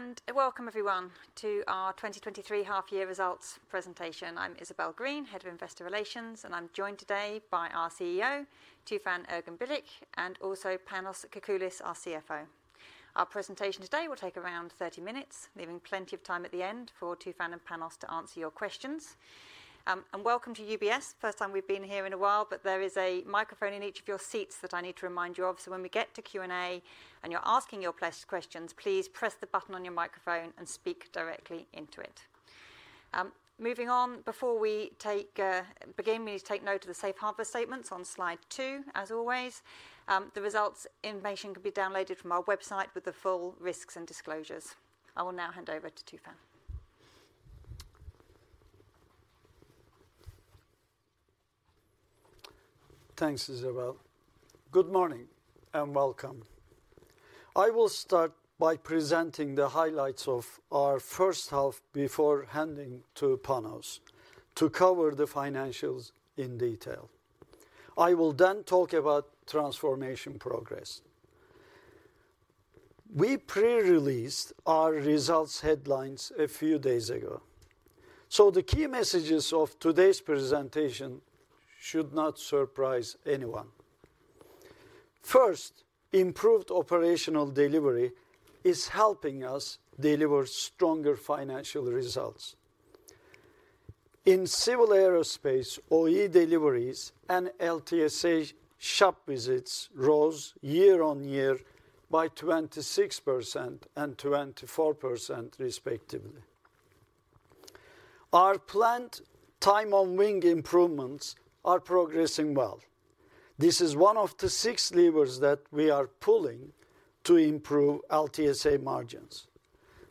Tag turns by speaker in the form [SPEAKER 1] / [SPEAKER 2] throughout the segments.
[SPEAKER 1] Hello, and welcome everyone to our 2023 half year results presentation. I'm Isabel Green, Head of Investor Relations, and I'm joined today by our CEO, Tufan Erginbilgiç, and also Panos Kakoullis, our CFO. Our presentation today will take around 30 minutes, leaving plenty of time at the end for Tufan and Panos to answer your questions. Welcome to UBS. First time we've been here in a while, but there is a microphone in each of your seats that I need to remind you of. When we get to Q&A, and you're asking your questions, please press the button on your microphone and speak directly into it. Moving on, before we take, begin, we need to take note of the safe harbor statements on slide 2, as always. The results information can be downloaded from our website with the full risks and disclosures. I will now hand over to Tufan.
[SPEAKER 2] Thanks, Isabel. Good morning, and welcome. I will start by presenting the highlights of our first half before handing to Panos Kakoullis to cover the financials in detail. I will talk about transformation progress. We pre-released our results headlines a few days ago, the key messages of today's presentation should not surprise anyone. First, improved operational delivery is helping us deliver stronger financial results. In civil aerospace, OE deliveries and LTSA shop visits rose year-over-year by 26% and 24%, respectively. Our planned time on wing improvements are progressing well. This is one of the six levers that we are pulling to improve LTSA margins.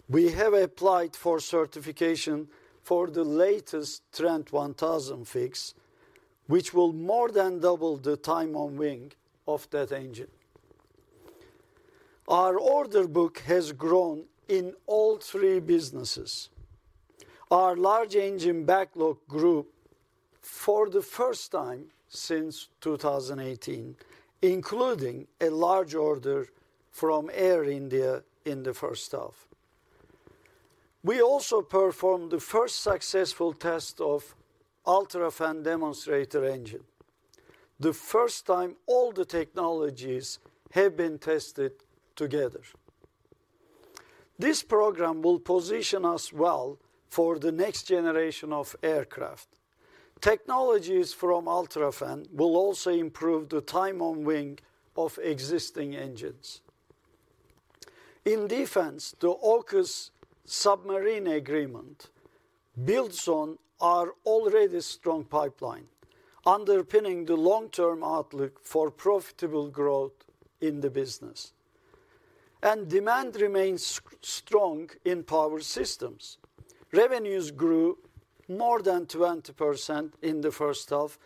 [SPEAKER 2] We have applied for certification for the latest Trent 1000 fix, which will more than double the time on wing of that engine. Our order book has grown in all three businesses. Our large engine backlog grew for the first time since 2018, including a large order from Air India in the first half. We also performed the first successful test of UltraFan demonstrator engine, the first time all the technologies have been tested together. This program will position us well for the next generation of aircraft. Technologies from UltraFan will also improve the time on wing of existing engines. In defense, the AUKUS submarine agreement builds on our already strong pipeline, underpinning the long-term outlook for profitable growth in the business. Demand remains strong in power systems. Revenues grew more than 20% in the first half,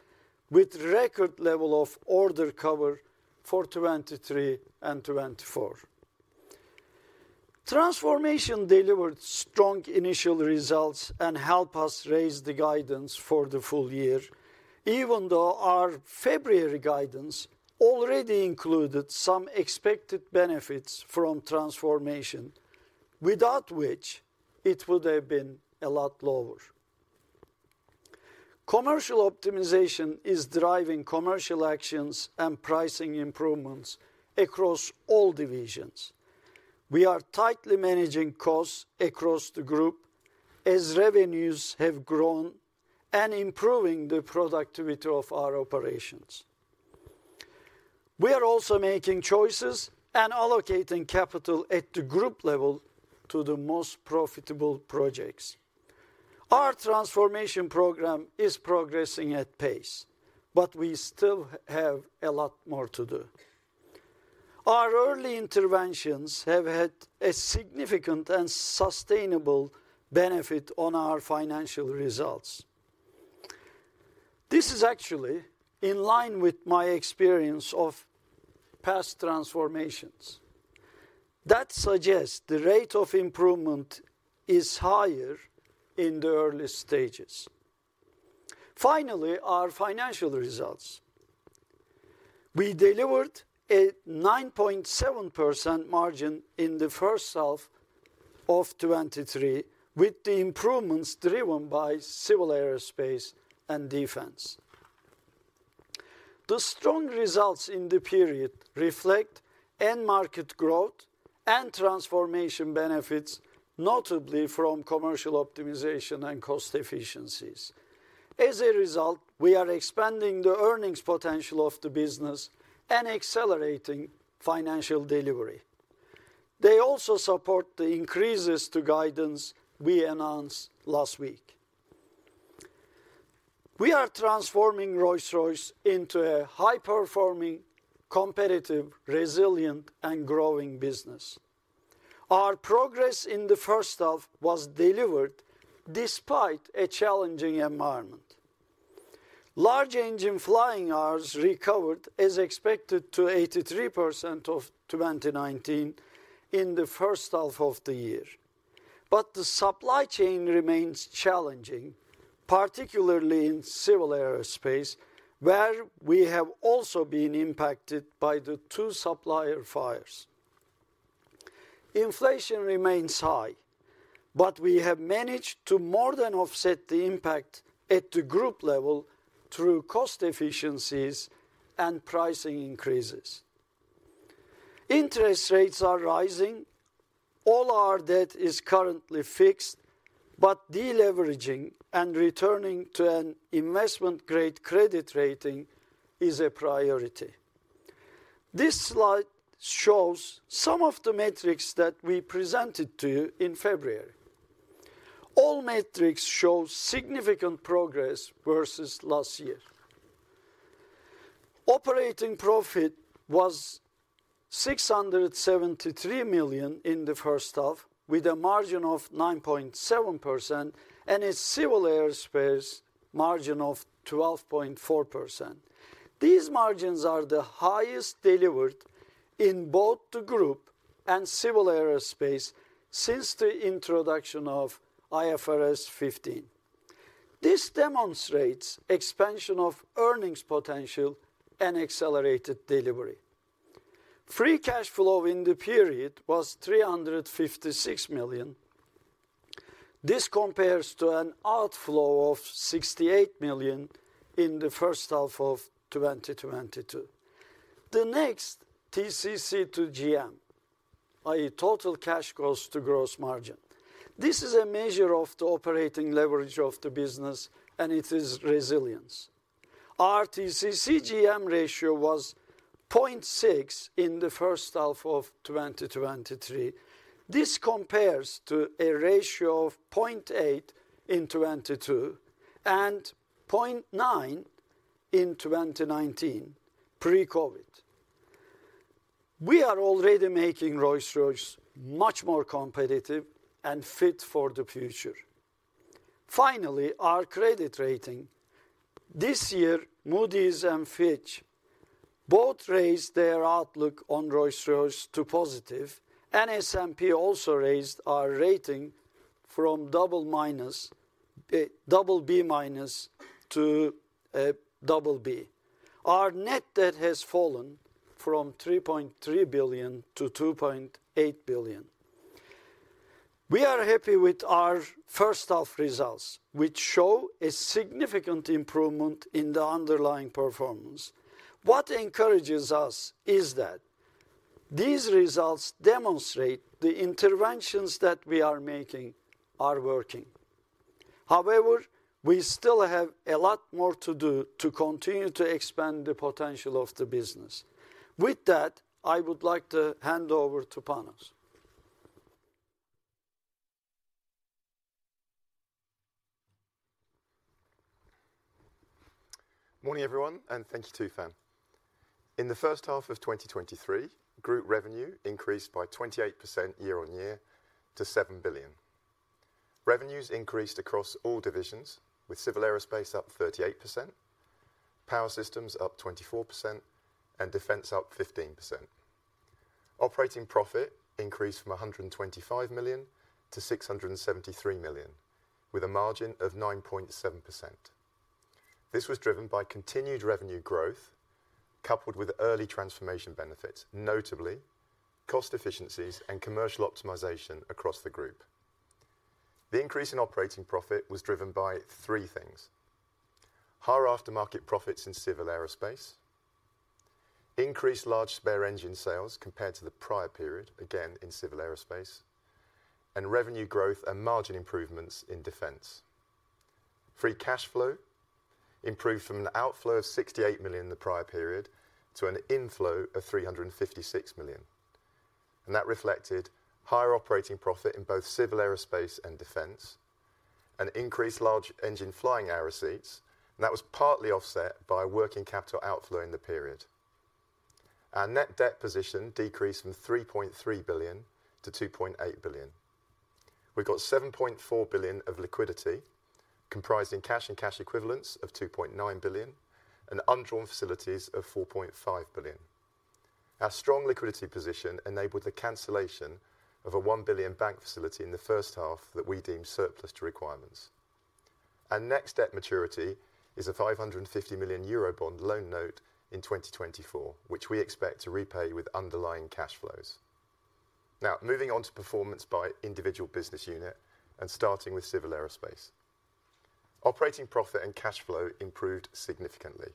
[SPEAKER 2] with record level of order cover for 2023 and 2024. Transformation delivered strong initial results and help us raise the guidance for the full year, even though our February guidance already included some expected benefits from transformation, without which it would have been a lot lower. Commercial optimization is driving commercial actions and pricing improvements across all divisions. We are tightly managing costs across the group as revenues have grown and improving the productivity of our operations. We are also making choices and allocating capital at the group level to the most profitable projects. Our transformation program is progressing at pace, but we still have a lot more to do. Our early interventions have had a significant and sustainable benefit on our financial results. This is actually in line with my experience of past transformations. That suggests the rate of improvement is higher in the early stages. Finally, our financial results. We delivered a 9.7% margin in the first half of 2023, with the improvements driven by civil aerospace and defense. The strong results in the period reflect end market growth and transformation benefits, notably from commercial optimization and cost efficiencies. As a result, we are expanding the earnings potential of the business and accelerating financial delivery. They also support the increases to guidance we announced last week. We are transforming Rolls-Royce into a high-performing, competitive, resilient, and growing business. Our progress in the first half was delivered despite a challenging environment. Large engine flying hours recovered as expected to 83% of 2019 in the first half of the year. The supply chain remains challenging, particularly in civil aerospace, where we have also been impacted by the two supplier fires. Inflation remains high. We have managed to more than offset the impact at the group level through cost efficiencies and pricing increases. Interest rates are rising. All our debt is currently fixed. De-leveraging and returning to an investment-grade credit rating is a priority. This slide shows some of the metrics that we presented to you in February. All metrics show significant progress versus last year. Operating profit was 673 million in the first half, with a margin of 9.7%, and a civil aerospace margin of 12.4%. These margins are the highest delivered in both the group and civil aerospace since the introduction of IFRS 15. This demonstrates expansion of earnings potential and accelerated delivery. Free cash flow in the period was 356 million. This compares to an outflow of 68 million in the first half of 2022. The next, TCC to GM, i.e., Total Cash Costs to Gross Margin. This is a measure of the operating leverage of the business and it is resilience. Our TCC GM ratio was 0.6 in the first half of 2023. This compares to a ratio of 0.8 in 2022, and 0.9 in 2019, pre-COVID. We are already making Rolls-Royce much more competitive and fit for the future. Finally, our credit rating. This year, Moody's and Fitch both raised their outlook on Rolls-Royce to positive, and S&P also raised our rating from BB- to BB. Our net debt has fallen from 3.3 billion to 2.8 billion. We are happy with our first half results, which show a significant improvement in the underlying performance. What encourages us is that these results demonstrate the interventions that we are making are working. However, we still have a lot more to do to continue to expand the potential of the business. With that, I would like to hand over to Panos.
[SPEAKER 3] Morning, everyone, and thank you, Tufan. In the first half of 2023, group revenue increased by 28% year-on-year to 7 billion. Revenues increased across all divisions, with civil aerospace up 38%, power systems up 24%, and defense up 15%. Operating profit increased from 125 million to 673 million, with a margin of 9.7%. This was driven by continued revenue growth, coupled with early transformation benefits, notably cost efficiencies and commercial optimization across the group. The increase in operating profit was driven by three things: higher aftermarket profits in civil aerospace, increased large spare engine sales compared to the prior period, again, in civil aerospace, and revenue growth and margin improvements in defense. Free cash flow improved from an outflow of 68 million in the prior period to an inflow of 356 million, and that reflected higher operating profit in both Civil Aerospace and Defense, an increased large engine flying hour receipts, and that was partly offset by working capital outflow in the period. Our net debt position decreased from 3.3 billion to 2.8 billion. We've got 7.4 billion of liquidity, comprising cash and cash equivalents of 2.9 billion, and undrawn facilities of 4.5 billion. Our strong liquidity position enabled the cancellation of a 1 billion bank facility in the first half that we deemed surplus to requirements. Our next debt maturity is a 550 million euro bond loan note in 2024, which we expect to repay with underlying cash flows. Moving on to performance by individual business unit and starting with civil aerospace. Operating profit and cash flow improved significantly.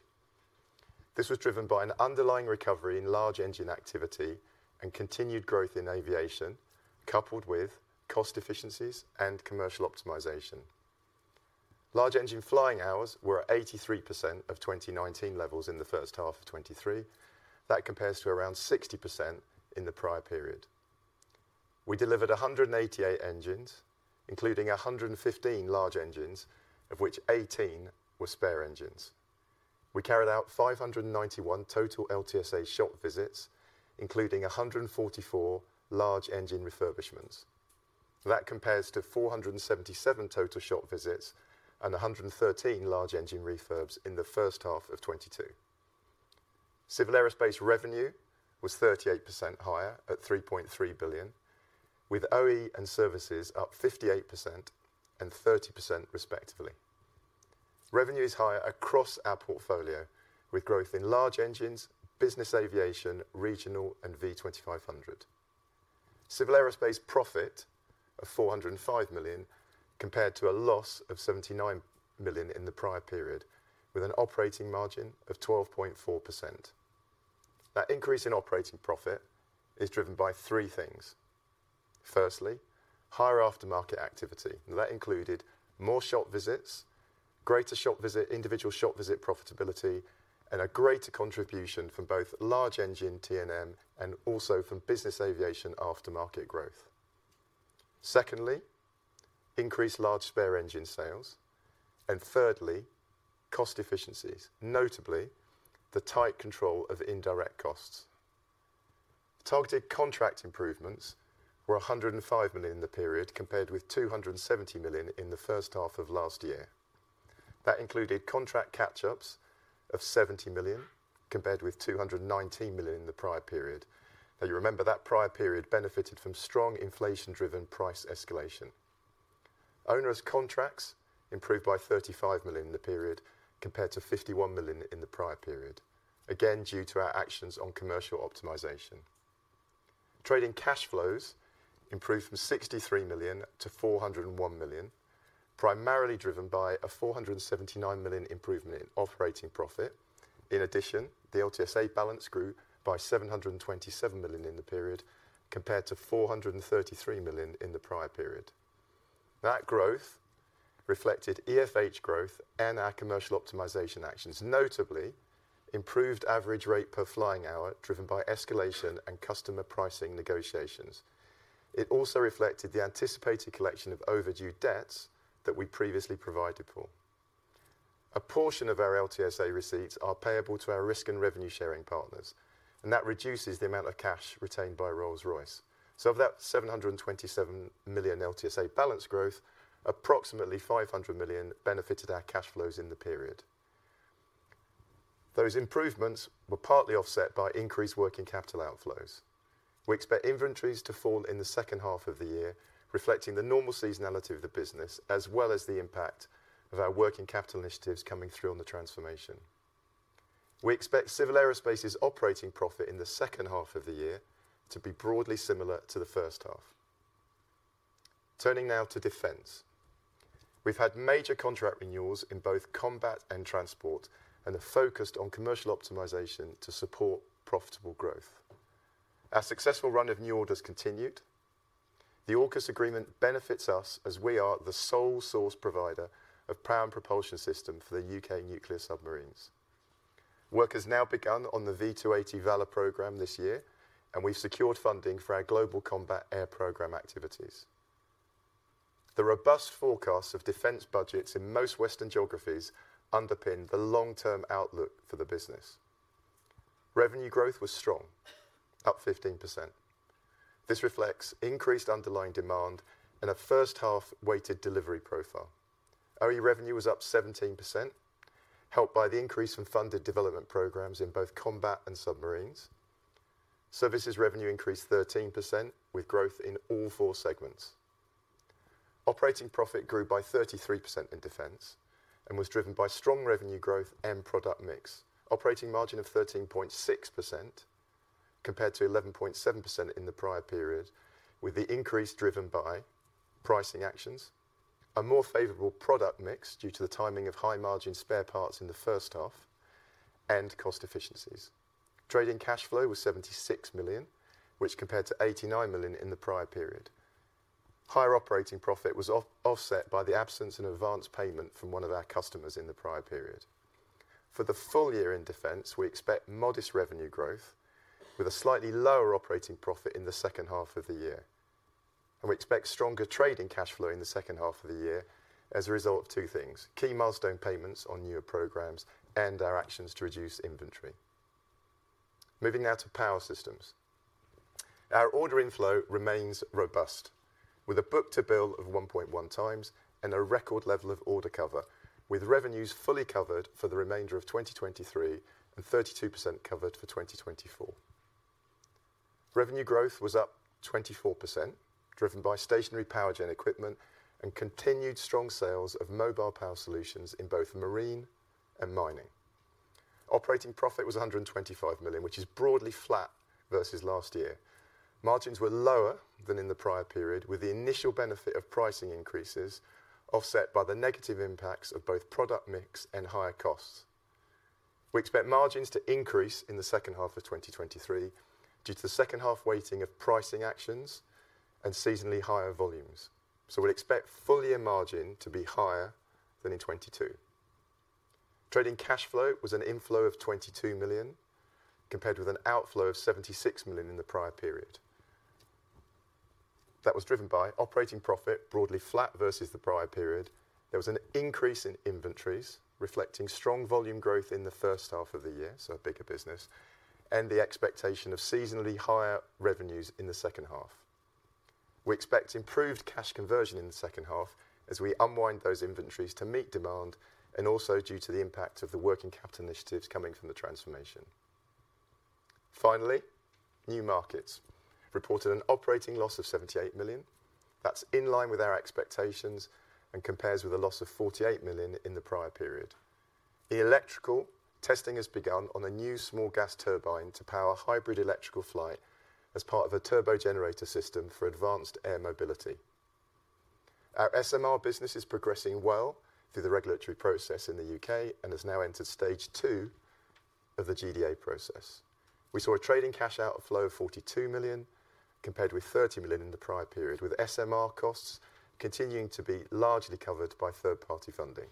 [SPEAKER 3] This was driven by an underlying recovery in large engine activity and continued growth in aviation, coupled with cost efficiencies and commercial optimization. Large engine flying hours were at 83% of 2019 levels in the first half of 2023. That compares to around 60% in the prior period. We delivered 188 engines, including 115 large engines, of which 18 were spare engines. We carried out 591 total LTSA shop visits, including 144 large engine refurbishments. That compares to 477 total shop visits and 113 large engine refurbs in the first half of 2022.... Civil Aerospace revenue was 38% higher at 3.3 billion, with OE and services up 58% and 30% respectively. Revenue is higher across our portfolio, with growth in large engines, business aviation, regional, and V2500. Civil Aerospace profit of 405 million, compared to a loss of 79 million in the prior period, with an operating margin of 12.4%. That increase in operating profit is driven by three things. Firstly, higher aftermarket activity, and that included more shop visits, greater shop visit, individual shop visit profitability, and a greater contribution from both large engine TNN and also from business aviation aftermarket growth. Secondly, increased large spare engine sales. Thirdly, cost efficiencies, notably, the tight control of indirect costs. Targeted contract improvements were 105 million in the period, compared with 270 million in the first half of last year. That included contract catch-ups of 70 million, compared with 219 million in the prior period. Now, you remember that prior period benefited from strong inflation-driven price escalation. Owner as contracts improved by 35 million in the period, compared to 51 million in the prior period, again, due to our actions on commercial optimization. Trading cash flows improved from 63 million to 401 million, primarily driven by a 479 million improvement in operating profit. In addition, the LTSA balance grew by 727 million in the period, compared to 433 million in the prior period. That growth reflected EFH growth and our commercial optimization actions, notably improved average rate per flying hour, driven by escalation and customer pricing negotiations. It also reflected the anticipated collection of overdue debts that we previously provided for. A portion of our LTSA receipts are payable to our risk and revenue sharing partners, that reduces the amount of cash retained by Rolls-Royce. Of that 727 million LTSA balance growth, approximately 500 million benefited our cash flows in the period. Those improvements were partly offset by increased working capital outflows. We expect inventories to fall in the second half of the year, reflecting the normal seasonality of the business, as well as the impact of our working capital initiatives coming through on the transformation. We expect Civil Aerospace's operating profit in the second half of the year to be broadly similar to the first half. Turning now to Defense. We've had major contract renewals in both combat and transport, and are focused on commercial optimization to support profitable growth. Our successful run of new orders continued. The AUKUS agreement benefits us as we are the sole source provider of power and propulsion system for the U.K. nuclear submarines. Work has now begun on the V280 Valor program this year, and we've secured funding for our Global Combat Air Program activities. The robust forecast of defense budgets in most Western geographies underpin the long-term outlook for the business. Revenue growth was strong, up 15%. This reflects increased underlying demand and a first half-weighted delivery profile. OE revenue was up 17%, helped by the increase in funded development programs in both combat and submarines. Services revenue increased 13% with growth in all four segments. Operating profit grew by 33% in Defense, was driven by strong revenue growth and product mix. Operating margin of 13.6% compared to 11.7% in the prior period, with the increase driven by pricing actions, a more favorable product mix due to the timing of high-margin spare parts in the first half, and cost efficiencies. Trading cash flow was 76 million, which compared to 89 million in the prior period. Higher operating profit was offset by the absence in advanced payment from one of our customers in the prior period. For the full year in Defense, we expect modest revenue growth with a slightly lower operating profit in the second half of the year. We expect stronger trading cash flow in the second half of the year as a result of two things: key milestone payments on newer programs and our actions to reduce inventory. Moving now to Power Systems. Our order inflow remains robust, with a book to bill of 1.1 times and a record level of order cover, with revenues fully covered for the remainder of 2023, and 32% covered for 2024. Revenue growth was up 24%, driven by stationary power gen equipment and continued strong sales of mobile power solutions in both marine and mining. Operating profit was 125 million, which is broadly flat versus last year. Margins were lower than in the prior period, with the initial benefit of pricing increases offset by the negative impacts of both product mix and higher costs. We expect margins to increase in the second half of 2023, due to the second half weighting of pricing actions and seasonally higher volumes. We'd expect full year margin to be higher than in 2022. Trading cash flow was an inflow of 22 million, compared with an outflow of 76 million in the prior period. That was driven by operating profit, broadly flat versus the prior period. There was an increase in inventories, reflecting strong volume growth in the first half of the year, so a bigger business, and the expectation of seasonally higher revenues in the second half. We expect improved cash conversion in the second half as we unwind those inventories to meet demand, and also due to the impact of the working capital initiatives coming from the transformation. Finally, new markets. Reported an operating loss of 78 million. That's in line with our expectations and compares with a loss of 48 million in the prior period. The electrical testing has begun on a new small gas turbine to power hybrid electrical flight as part of a turbo generator system for advanced air mobility. Our SMR business is progressing well through the regulatory process in the U.K. and has now entered stage two of the GDA process. We saw a trading cash outflow of 42 million, compared with 30 million in the prior period, with SMR costs continuing to be largely covered by third-party funding.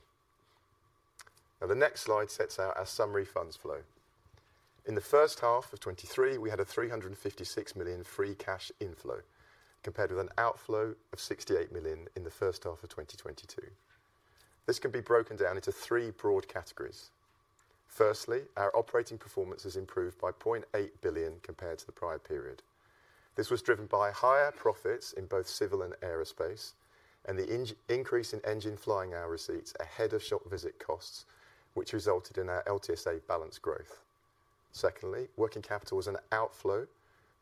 [SPEAKER 3] Now, the next slide sets out our summary funds flow. In the first half of 2023, we had a 356 million free cash inflow, compared with an outflow of 68 million in the first half of 2022. This can be broken down into three broad categories. Firstly, our operating performance has improved by 0.8 billion compared to the prior period. This was driven by higher profits in both civil and aerospace, and the increase in engine flying hour receipts ahead of shop visit costs, which resulted in our LTSA balance growth. Secondly, working capital was an outflow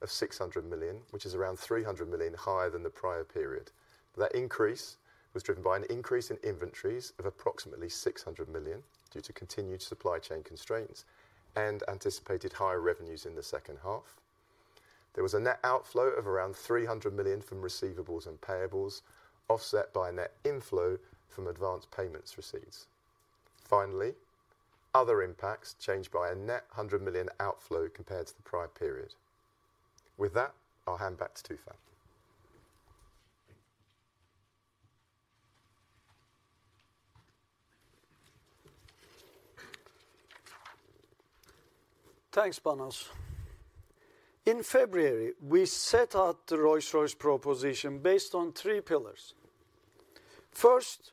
[SPEAKER 3] of 600 million, which is around 300 million higher than the prior period. That increase was driven by an increase in inventories of approximately 600 million, due to continued supply chain constraints and anticipated higher revenues in the second half. There was a net outflow of around 300 million from receivables and payables, offset by a net inflow from advanced payments receipts. Finally, other impacts changed by a net 100 million outflow compared to the prior period. With that, I'll hand back to Tufan.
[SPEAKER 2] Thanks, Panos. In February, we set out the Rolls-Royce proposition based on three pillars. First,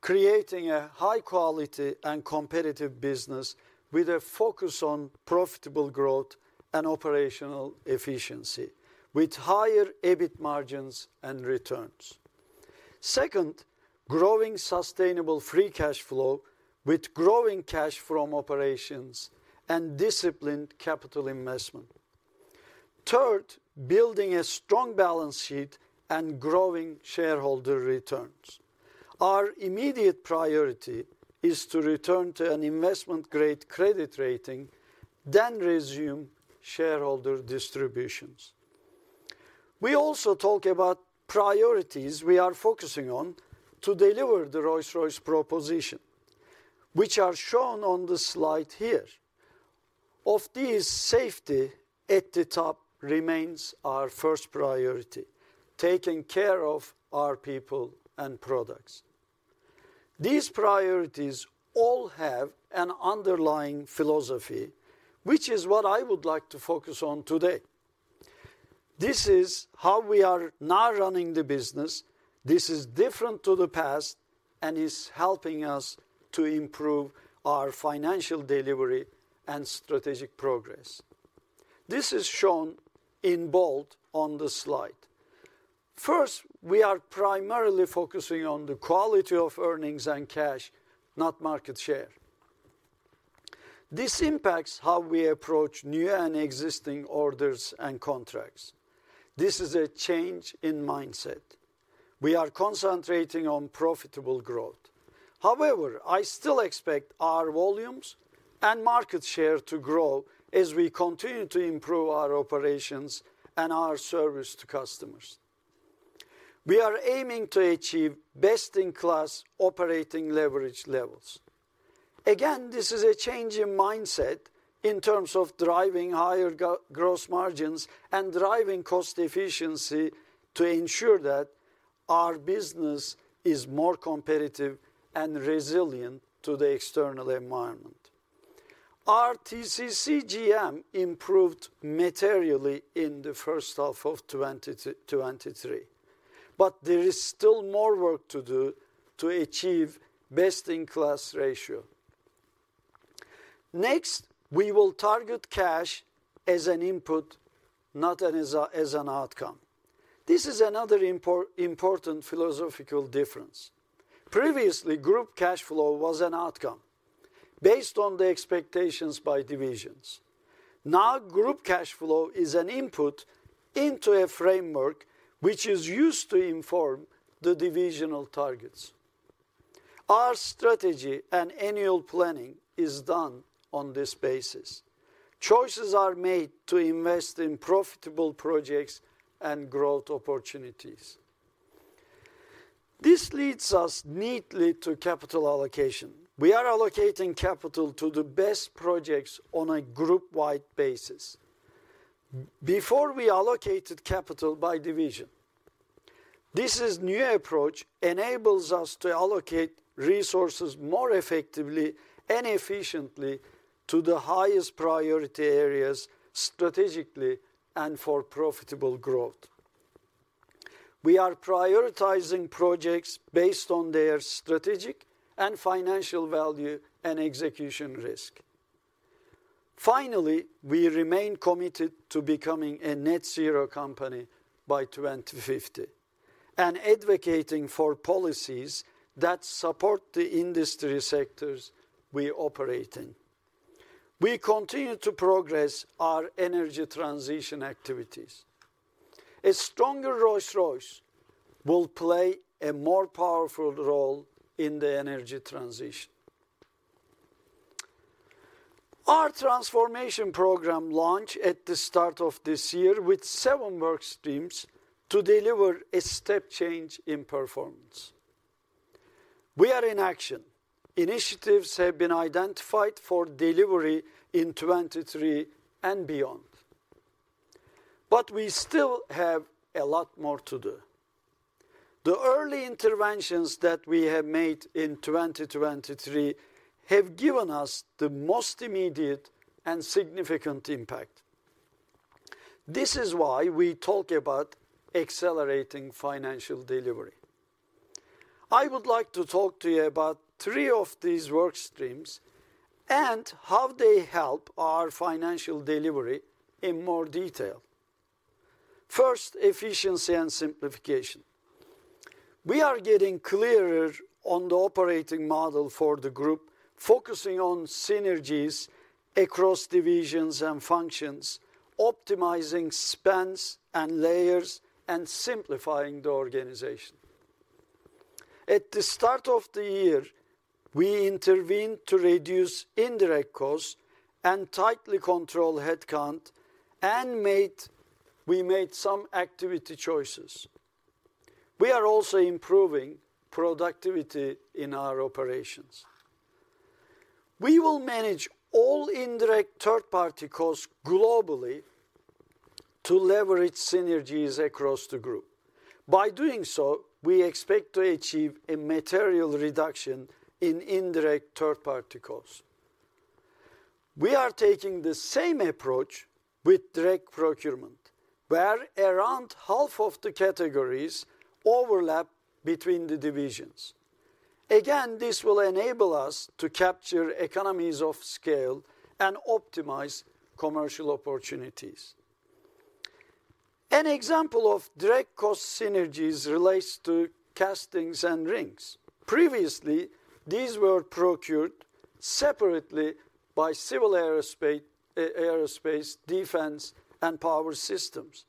[SPEAKER 2] creating a high quality and competitive business with a focus on profitable growth and operational efficiency, with higher EBIT margins and returns. Second, growing sustainable free cash flow with growing cash from operations and disciplined capital investment. Third, building a strong balance sheet and growing shareholder returns. Our immediate priority is to return to an investment-grade credit rating, then resume shareholder distributions. We also talk about priorities we are focusing on to deliver the Rolls-Royce proposition, which are shown on the slide here. Of these, safety at the top remains our first priority, taking care of our people and products. These priorities all have an underlying philosophy, which is what I would like to focus on today. This is how we are now running the business. This is different to the past and is helping us to improve our financial delivery and strategic progress. This is shown in bold on the slide. First, we are primarily focusing on the quality of earnings and cash, not market share. This impacts how we approach new and existing orders and contracts. This is a change in mindset. We are concentrating on profitable growth. However, I still expect our volumes and market share to grow as we continue to improve our operations and our service to customers. We are aiming to achieve best-in-class operating leverage levels. Again, this is a change in mindset in terms of driving higher gross margins and driving cost efficiency to ensure that our business is more competitive and resilient to the external environment. Our TCC GM improved materially in the first half of 2023, but there is still more work to do to achieve best-in-class ratio. Next, we will target cash as an input, not as an outcome. This is another important philosophical difference. Previously, group cash flow was an outcome based on the expectations by divisions. Now, group cash flow is an input into a framework which is used to inform the divisional targets. Our strategy and annual planning is done on this basis. Choices are made to invest in profitable projects and growth opportunities. This leads us neatly to capital allocation. Before, we allocated capital by division. This is new approach enables us to allocate resources more effectively and efficiently to the highest priority areas, strategically and for profitable growth. We are prioritizing projects based on their strategic and financial value and execution risk. Finally, we remain committed to becoming a net zero company by 2050, and advocating for policies that support the industry sectors we operate in. We continue to progress our energy transition activities. A stronger Rolls-Royce will play a more powerful role in the energy transition. Our transformation program launched at the start of this year with seven work streams to deliver a step change in performance. We are in action. Initiatives have been identified for delivery in 2023 and beyond. We still have a lot more to do. The early interventions that we have made in 2023 have given us the most immediate and significant impact. This is why we talk about accelerating financial delivery. I would like to talk to you about three of these work streams and how they help our financial delivery in more detail. First, efficiency and simplification. We are getting clearer on the operating model for the group, focusing on synergies across divisions and functions, optimizing spans and layers, and simplifying the organization. At the start of the year, we intervened to reduce indirect costs and tightly control headcount, and we made some activity choices. We are also improving productivity in our operations. We will manage all indirect third-party costs globally to leverage synergies across the group. By doing so, we expect to achieve a material reduction in indirect third-party costs. We are taking the same approach with direct procurement, where around half of the categories overlap between the divisions. Again, this will enable us to capture economies of scale and optimize commercial opportunities. An example of direct cost synergies relates to castings and rings. Previously, these were procured separately by civil aerospace, aerospace, defense, and power systems.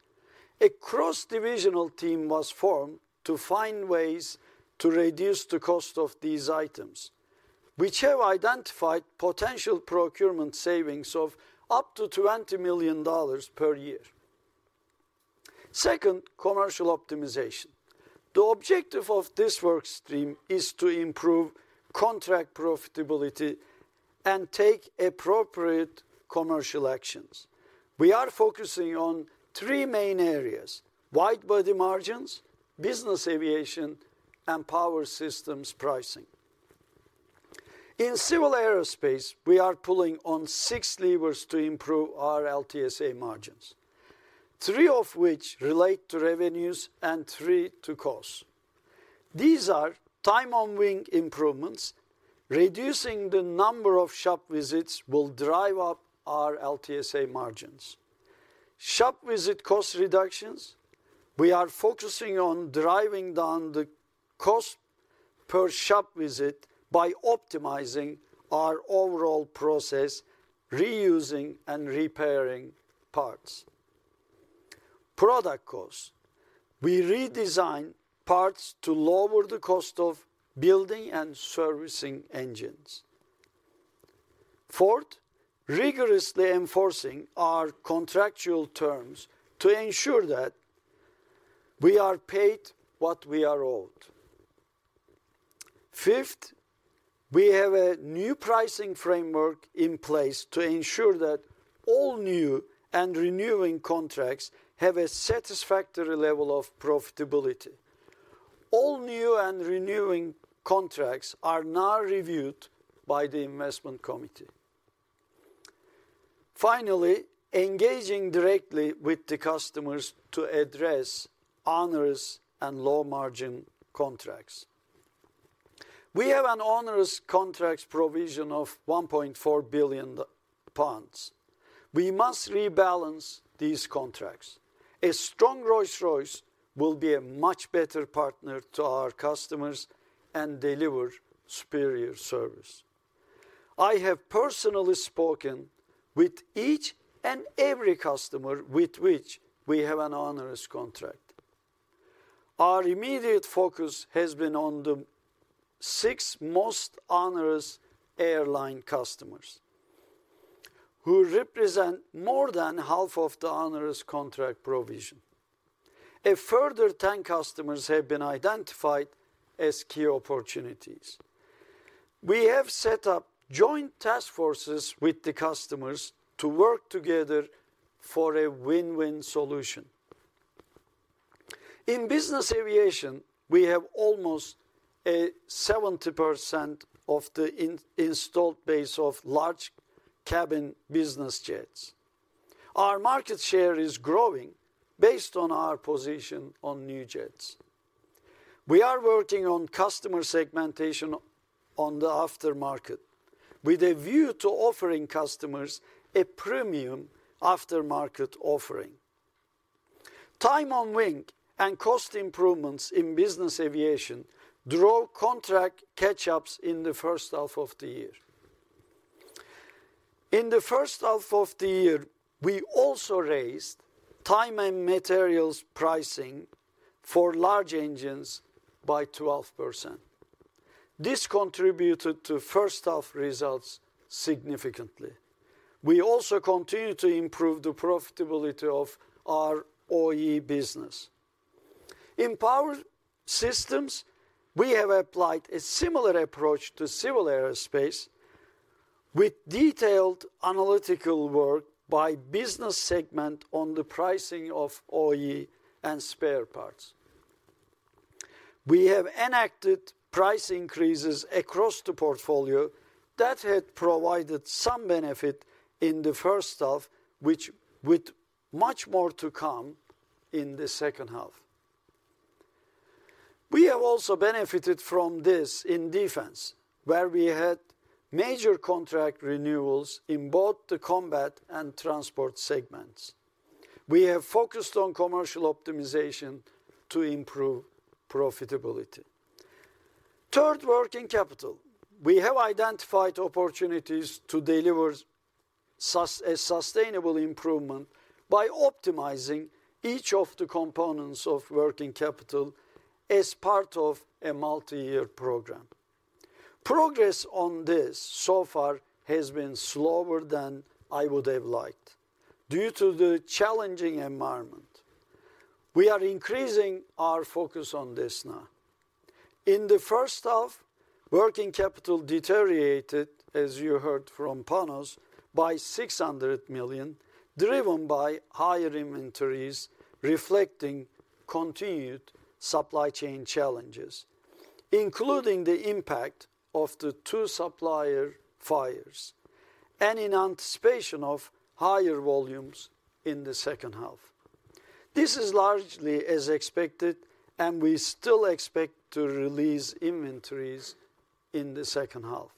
[SPEAKER 2] A cross-divisional team was formed to find ways to reduce the cost of these items, which have identified potential procurement savings of up to $20 million per year. Second, commercial optimization. The objective of this work stream is to improve contract profitability and take appropriate commercial actions. We are focusing on three main areas: wide body margins, business aviation, and power systems pricing. In civil aerospace, we are pulling on six levers to improve our LTSA margins, three of which relate to revenues and three to costs. These are time on wing improvements. Reducing the number of shop visits will drive up our LTSA margins. Shop visit cost reductions, we are focusing on driving down the cost per shop visit by optimizing our overall process, reusing and repairing parts. Product cost, we redesign parts to lower the cost of building and servicing engines. Fourth, rigorously enforcing our contractual terms to ensure that we are paid what we are owed. Fifth, we have a new pricing framework in place to ensure that all new and renewing contracts have a satisfactory level of profitability. All new and renewing contracts are now reviewed by the investment committee. Finally, engaging directly with the customers to address onerous and low-margin contracts. We have an onerous contracts provision of 1.4 billion pounds. We must rebalance these contracts. A strong Rolls-Royce will be a much better partner to our customers and deliver superior service. I have personally spoken with each and every customer with which we have an onerous contract. Our immediate focus has been on the six most onerous airline customers, who represent more than half of the onerous contract provision. A further 10 customers have been identified as key opportunities. We have set up joint task forces with the customers to work together for a win-win solution. In business aviation, we have almost a 70% of the installed base of large cabin business jets. Our market share is growing based on our position on new jets. We are working on customer segmentation on the aftermarket, with a view to offering customers a premium aftermarket offering. Time on wing and cost improvements in business aviation drove contract catch-ups in the first half of the year. In the first half of the year, we also raised time and materials pricing for large engines by 12%. This contributed to first-half results significantly. We also continue to improve the profitability of our OE business. In Power Systems, we have applied a similar approach to civil aerospace, with detailed analytical work by business segment on the pricing of OE and spare parts. We have enacted price increases across the portfolio that have provided some benefit in the first half, with much more to come in the second half. We have also benefited from this in Defense, where we had major contract renewals in both the combat and transport segments. We have focused on commercial optimization to improve profitability. Third, working capital. We have identified opportunities to deliver a sustainable improvement by optimizing each of the components of working capital as part of a multi-year program. Progress on this, so far, has been slower than I would have liked due to the challenging environment. We are increasing our focus on this now. In the first half, working capital deteriorated, as you heard from Panos, by 600 million, driven by higher inventories, reflecting continued supply chain challenges, including the impact of the two supplier fires, and in anticipation of higher volumes in the second half. This is largely as expected, and we still expect to release inventories in the second half.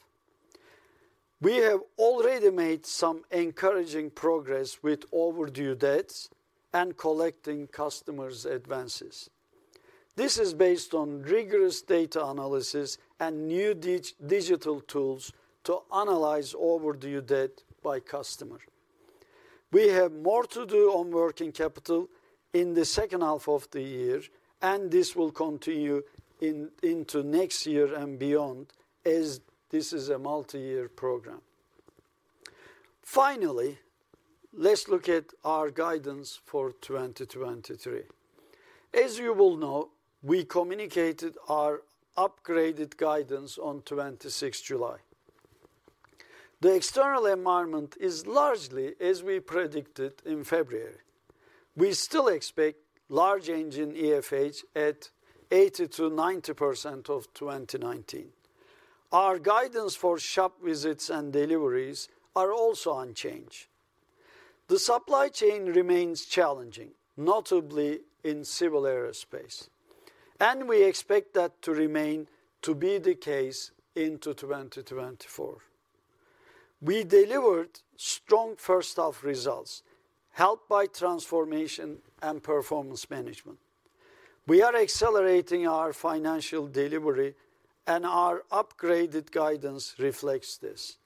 [SPEAKER 2] We have already made some encouraging progress with overdue debts and collecting customers' advances. This is based on rigorous data analysis and new digital tools to analyze overdue debt by customer. We have more to do on working capital in the second half of the year, and this will continue into next year and beyond, as this is a multi-year program. Finally, let's look at our guidance for 2023. As you will know, we communicated our upgraded guidance on 26th July. The external environment is largely as we predicted in February. We still expect large engine EFH at 80%-90% of 2019. Our guidance for shop visits and deliveries are also unchanged. The supply chain remains challenging, notably in civil aerospace, we expect that to remain to be the case into 2024. We delivered strong first-half results, helped by transformation and performance management. We are accelerating our financial delivery, our upgraded guidance reflects this.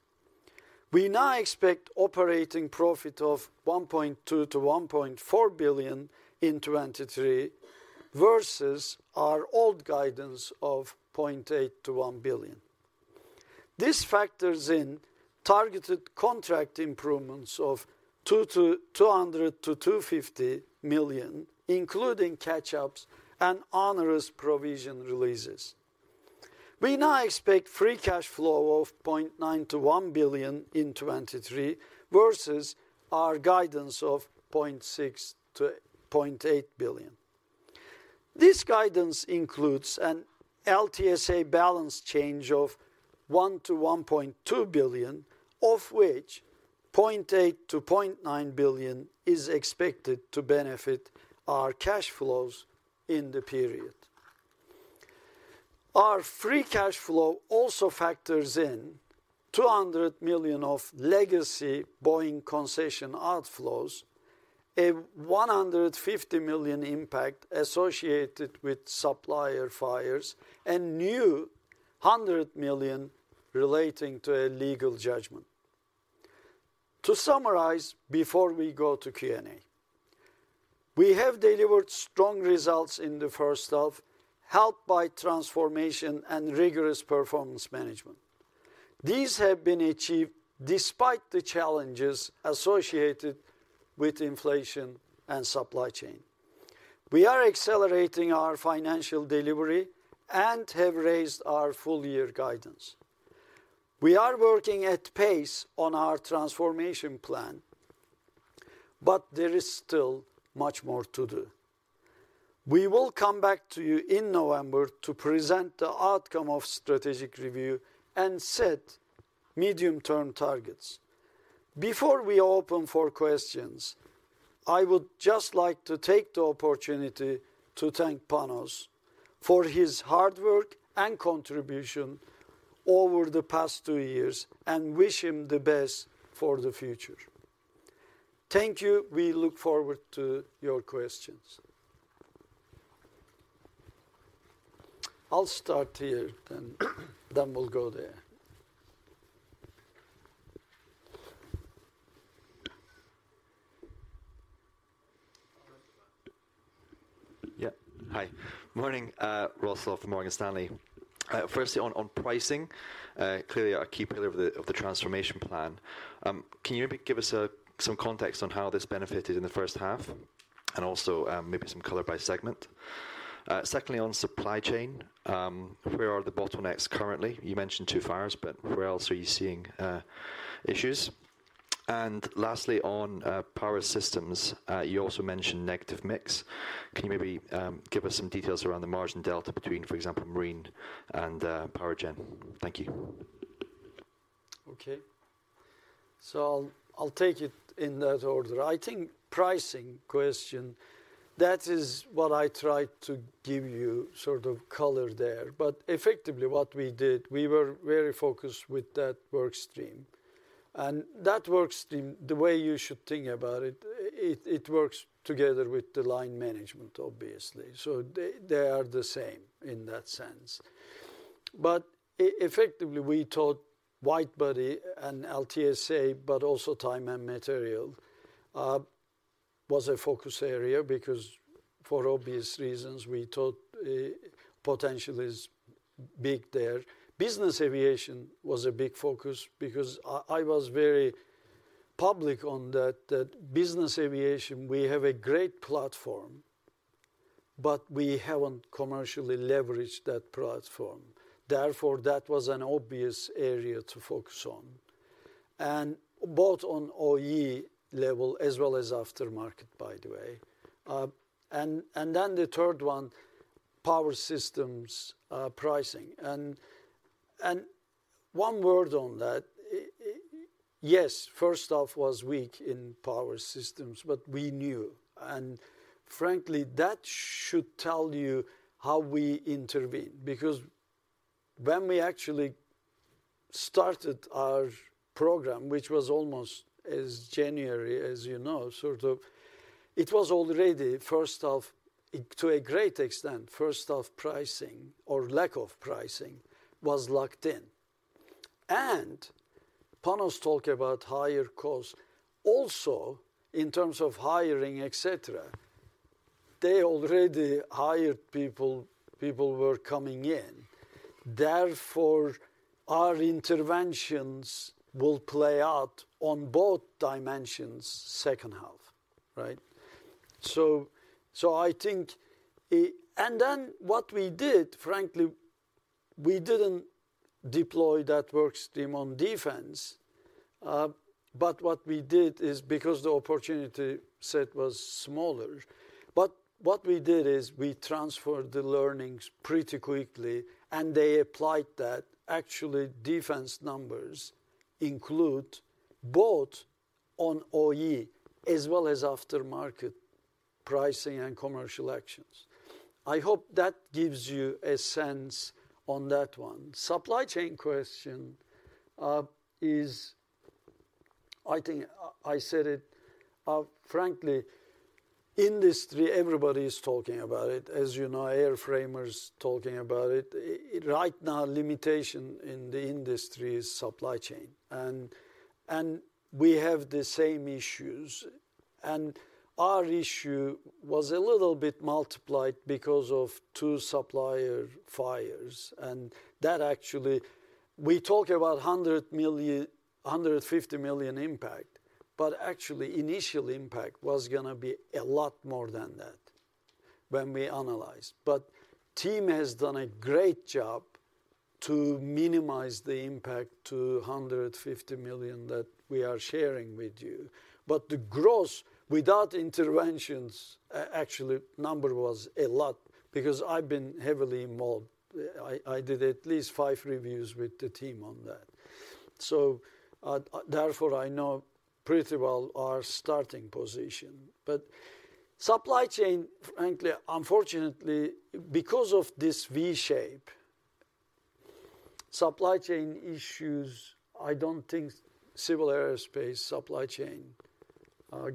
[SPEAKER 2] We now expect operating profit of 1.2 billion-1.4 billion in 2023, versus our old guidance of 0.8 billion-1 billion. This factors in targeted contract improvements of 200 million-250 million, including catch-ups and onerous provision releases. We now expect free cash flow of 0.9 billion-1 billion in 2023, versus our guidance of 0.6 billion-0.8 billion. This guidance includes an LTSA balance change of 1 billion-1.2 billion, of which 0.8 billion-0.9 billion is expected to benefit our cash flows in the period. Our free cash flow also factors in 200 million of legacy Boeing concession outflows, a 150 million impact associated with supplier fires, and new 100 million relating to a legal judgment. To summarize, before we go to Q&A, we have delivered strong results in the first half, helped by transformation and rigorous performance management. These have been achieved despite the challenges associated with inflation and supply chain. We are accelerating our financial delivery and have raised our full year guidance. We are working at pace on our transformation plan. There is still much more to do. We will come back to you in November to present the outcome of strategic review and set medium-term targets... Before we open for questions, I would just like to take the opportunity to thank Panos for his hard work and contribution over the past two years, and wish him the best for the future. Thank you. We look forward to your questions. I'll start here, then we'll go there.
[SPEAKER 4] Yeah. Hi. Morning, Ross Law from Morgan Stanley. Firstly, on, on pricing, clearly a key pillar of the transformation plan. Can you maybe give us some context on how this benefited in the first half? Also, maybe some color by segment. Secondly, on supply chain, where are the bottlenecks currently? You mentioned two fires, but where else are you seeing issues? Lastly, on Power Systems, you also mentioned negative mix. Can you maybe give us some details around the margin delta between, for example, Marine and Power Gen? Thank you.
[SPEAKER 2] Okay. I'll, I'll take it in that order. I think pricing question, that is what I tried to give you sort of color there. Effectively, what we did, we were very focused with that work stream. That work stream, the way you should think about it, it, it works together with the line management, obviously. They, they are the same in that sense. Effectively, we thought widebody and LTSA, but also time and material, was a focus area because for obvious reasons, we thought, potential is big there. Business aviation was a big focus because I, I was very public on that, that business aviation, we have a great platform, but we haven't commercially leveraged that platform. Therefore, that was an obvious area to focus on, and both on OE level as well as aftermarket, by the way. Then the third one, Power Systems' pricing. One word on that, yes, first half was weak in Power Systems, but we knew, and frankly, that should tell you how we intervened. Because when we actually started our program, which was almost as January, as you know, sort of it was already first half. To a great extent, first half pricing or lack of pricing was locked in. Panos talk about higher cost. Also, in terms of hiring, et cetera, they already hired people, people were coming in. Therefore, our interventions will play out on both dimensions, second half, right? I think. What we did, frankly, we didn't deploy that work stream on defense, but what we did is because the opportunity set was smaller, but what we did is we transferred the learnings pretty quickly, and they applied that. Actually, defense numbers include both on OE as well as aftermarket pricing and commercial actions. I hope that gives you a sense on that one. Supply chain question is, I think I said it, frankly, industry, everybody is talking about it. As you know, airframers talking about it. Right now, limitation in the industry is supply chain, and, and we have the same issues. Our issue was a little bit multiplied because of 2 supplier fires, and that actually, we talk about 100 million-150 million impact, but actually, initial impact was gonna be a lot more than that when we analyzed. Team has done a great job to minimize the impact to 150 million that we are sharing with you. The gross, without interventions, actually, number was a lot, because I've been heavily involved. I did at least five reviews with the team on that. Therefore, I know pretty well our starting position. Supply chain, frankly, unfortunately, because of this V shape, supply chain issues, I don't think Civil Aerospace supply chain,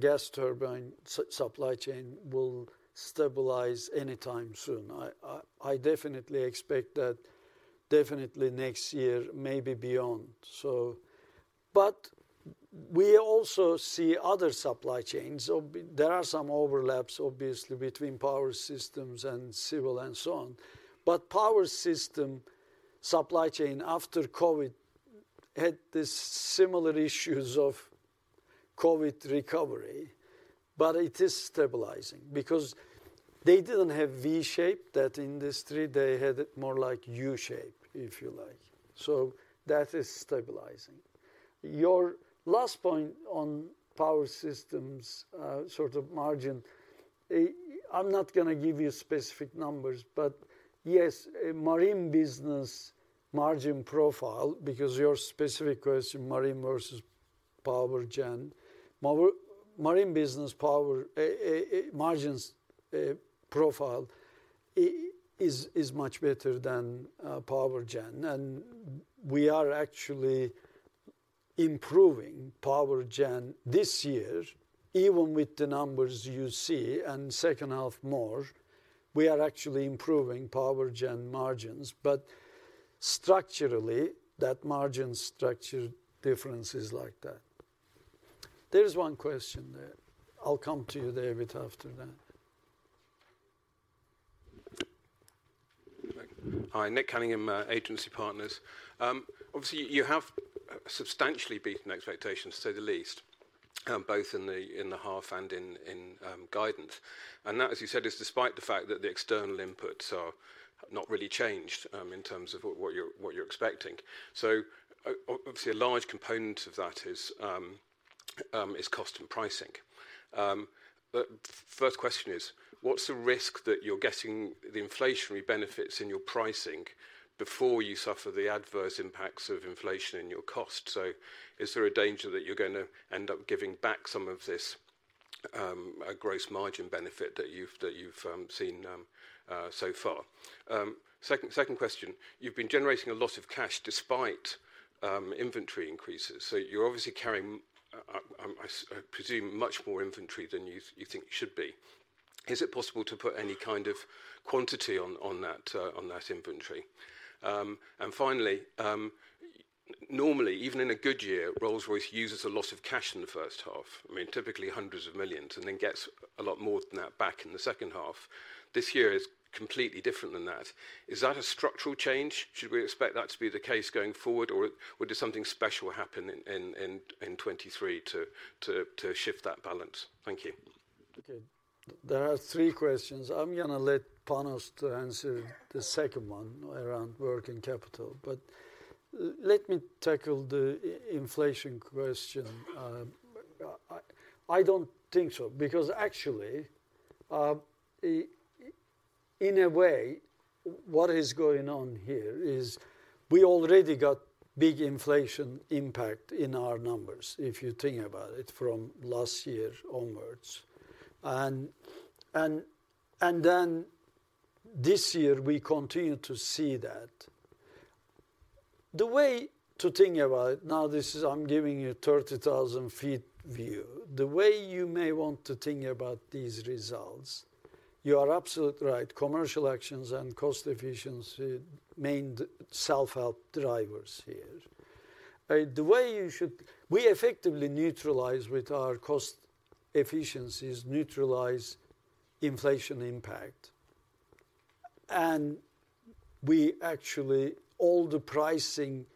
[SPEAKER 2] gas turbine supply chain will stabilize anytime soon. I definitely expect that definitely next year, maybe beyond. But we also see other supply chains. There are some overlaps, obviously, between Power Systems and Civil, and so on. Power System supply chain, after COVID, had this similar issues of COVID recovery, but it is stabilizing because they didn't have V shape, that industry, they had it more like U-shape, if you like. That is stabilizing. Your last point on Power Systems', sort of margin. I'm not gonna give you specific numbers. Yes, a marine business margin profile, because your specific question, marine versus power gen. Marine business power, margins, profile is much better than power gen. We are actually improving power gen this year, even with the numbers you see, and second half more, we are actually improving power gen margins. Structurally, that margin structure difference is like that. There's one question there. I'll come to you there bit after that.
[SPEAKER 5] Hi, Nick Cunningham, Agency Partners. Obviously, you have substantially beaten expectations, to say the least, both in the, in the half and in, in, guidance. That, as you said, is despite the fact that the external inputs are not really changed, in terms of what, what you're, what you're expecting. Obviously, a large component of that is cost and pricing. First question is: What's the risk that you're getting the inflationary benefits in your pricing before you suffer the adverse impacts of inflation in your cost? Is there a danger that you're gonna end up giving back some of this gross margin benefit that you've, that you've, seen so far? Second, second question: You've been generating a lot of cash despite inventory increases, so you're obviously carrying, I, I presume, much more inventory than you think you should be. Is it possible to put any kind of quantity on, on that, on that inventory? Finally, normally, even in a good year, Rolls-Royce uses a lot of cash in the first half, I mean, typically hundreds of millions, and then gets a lot more than that back in the second half. This year is completely different than that. Is that a structural change? Should we expect that to be the case going forward, or did something special happen in 2023 to shift that balance? Thank you.
[SPEAKER 2] Okay. There are three questions. I'm gonna let Panos to answer the second one around working capital. Let me tackle the inflation question. I don't think so. Actually, in a way, what is going on here is we already got big inflation impact in our numbers, if you think about it, from last year onwards. Then this year, we continue to see that. The way to think about it. Now, this is I'm giving you 30,000 feet view. The way you may want to think about these results, you are absolutely right, commercial actions and cost efficiency remained self-help drivers here. We effectively neutralize with our cost efficiencies, neutralize inflation impact. We actually, all the pricing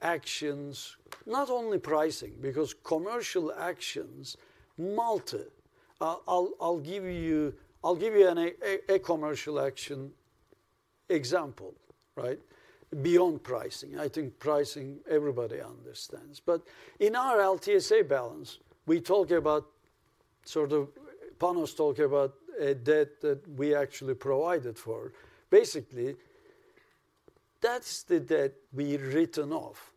[SPEAKER 2] actions, not only pricing, because commercial actions, multi. I'll give you, I'll give you a commercial action example, right? Beyond pricing. I think pricing, everybody understands. In our LTSA balance, we talk about sort of. Panos talk about a debt that we actually provided for. Basically, that's the debt we've written off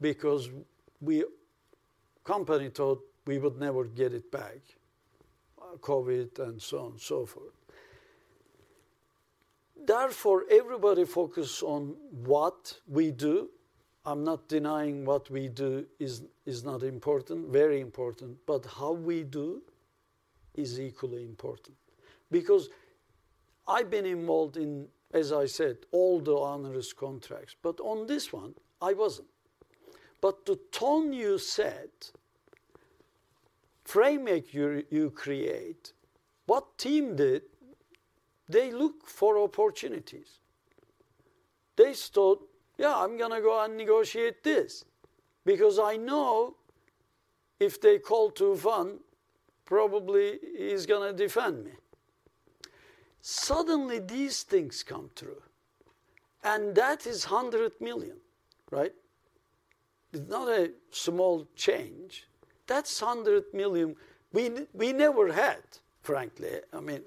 [SPEAKER 2] because company thought we would never get it back, COVID, and so on and so forth. Everybody focus on what we do. I'm not denying what we do is not important, very important. How we do is equally important. I've been involved in, as I said, all the onerous contracts. On this one, I wasn't. The tone you set, framework you create, what team did, they look for opportunities. They thought, "Yeah, I'm gonna go and negotiate this, because I know if they call Tufan, probably he's gonna defend me." Suddenly, these things come through, that is 100 million, right? It's not a small change. That's 100 million we never had, frankly. I mean,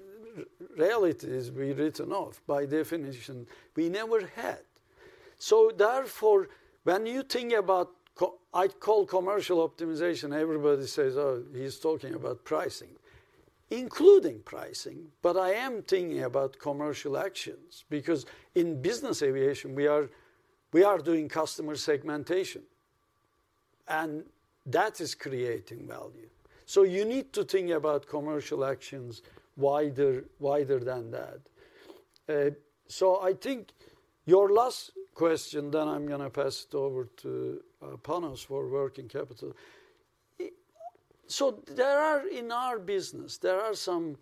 [SPEAKER 2] reality is, we've written off. By definition, we never had. Therefore, when you think about I call commercial optimization, everybody says, "Oh, he's talking about pricing." Including pricing, but I am thinking about commercial actions, because in business aviation, we are, we are doing customer segmentation, that is creating value. I think your last question, then I'm gonna pass it over to Panos for working capital. There are, in our business, there are some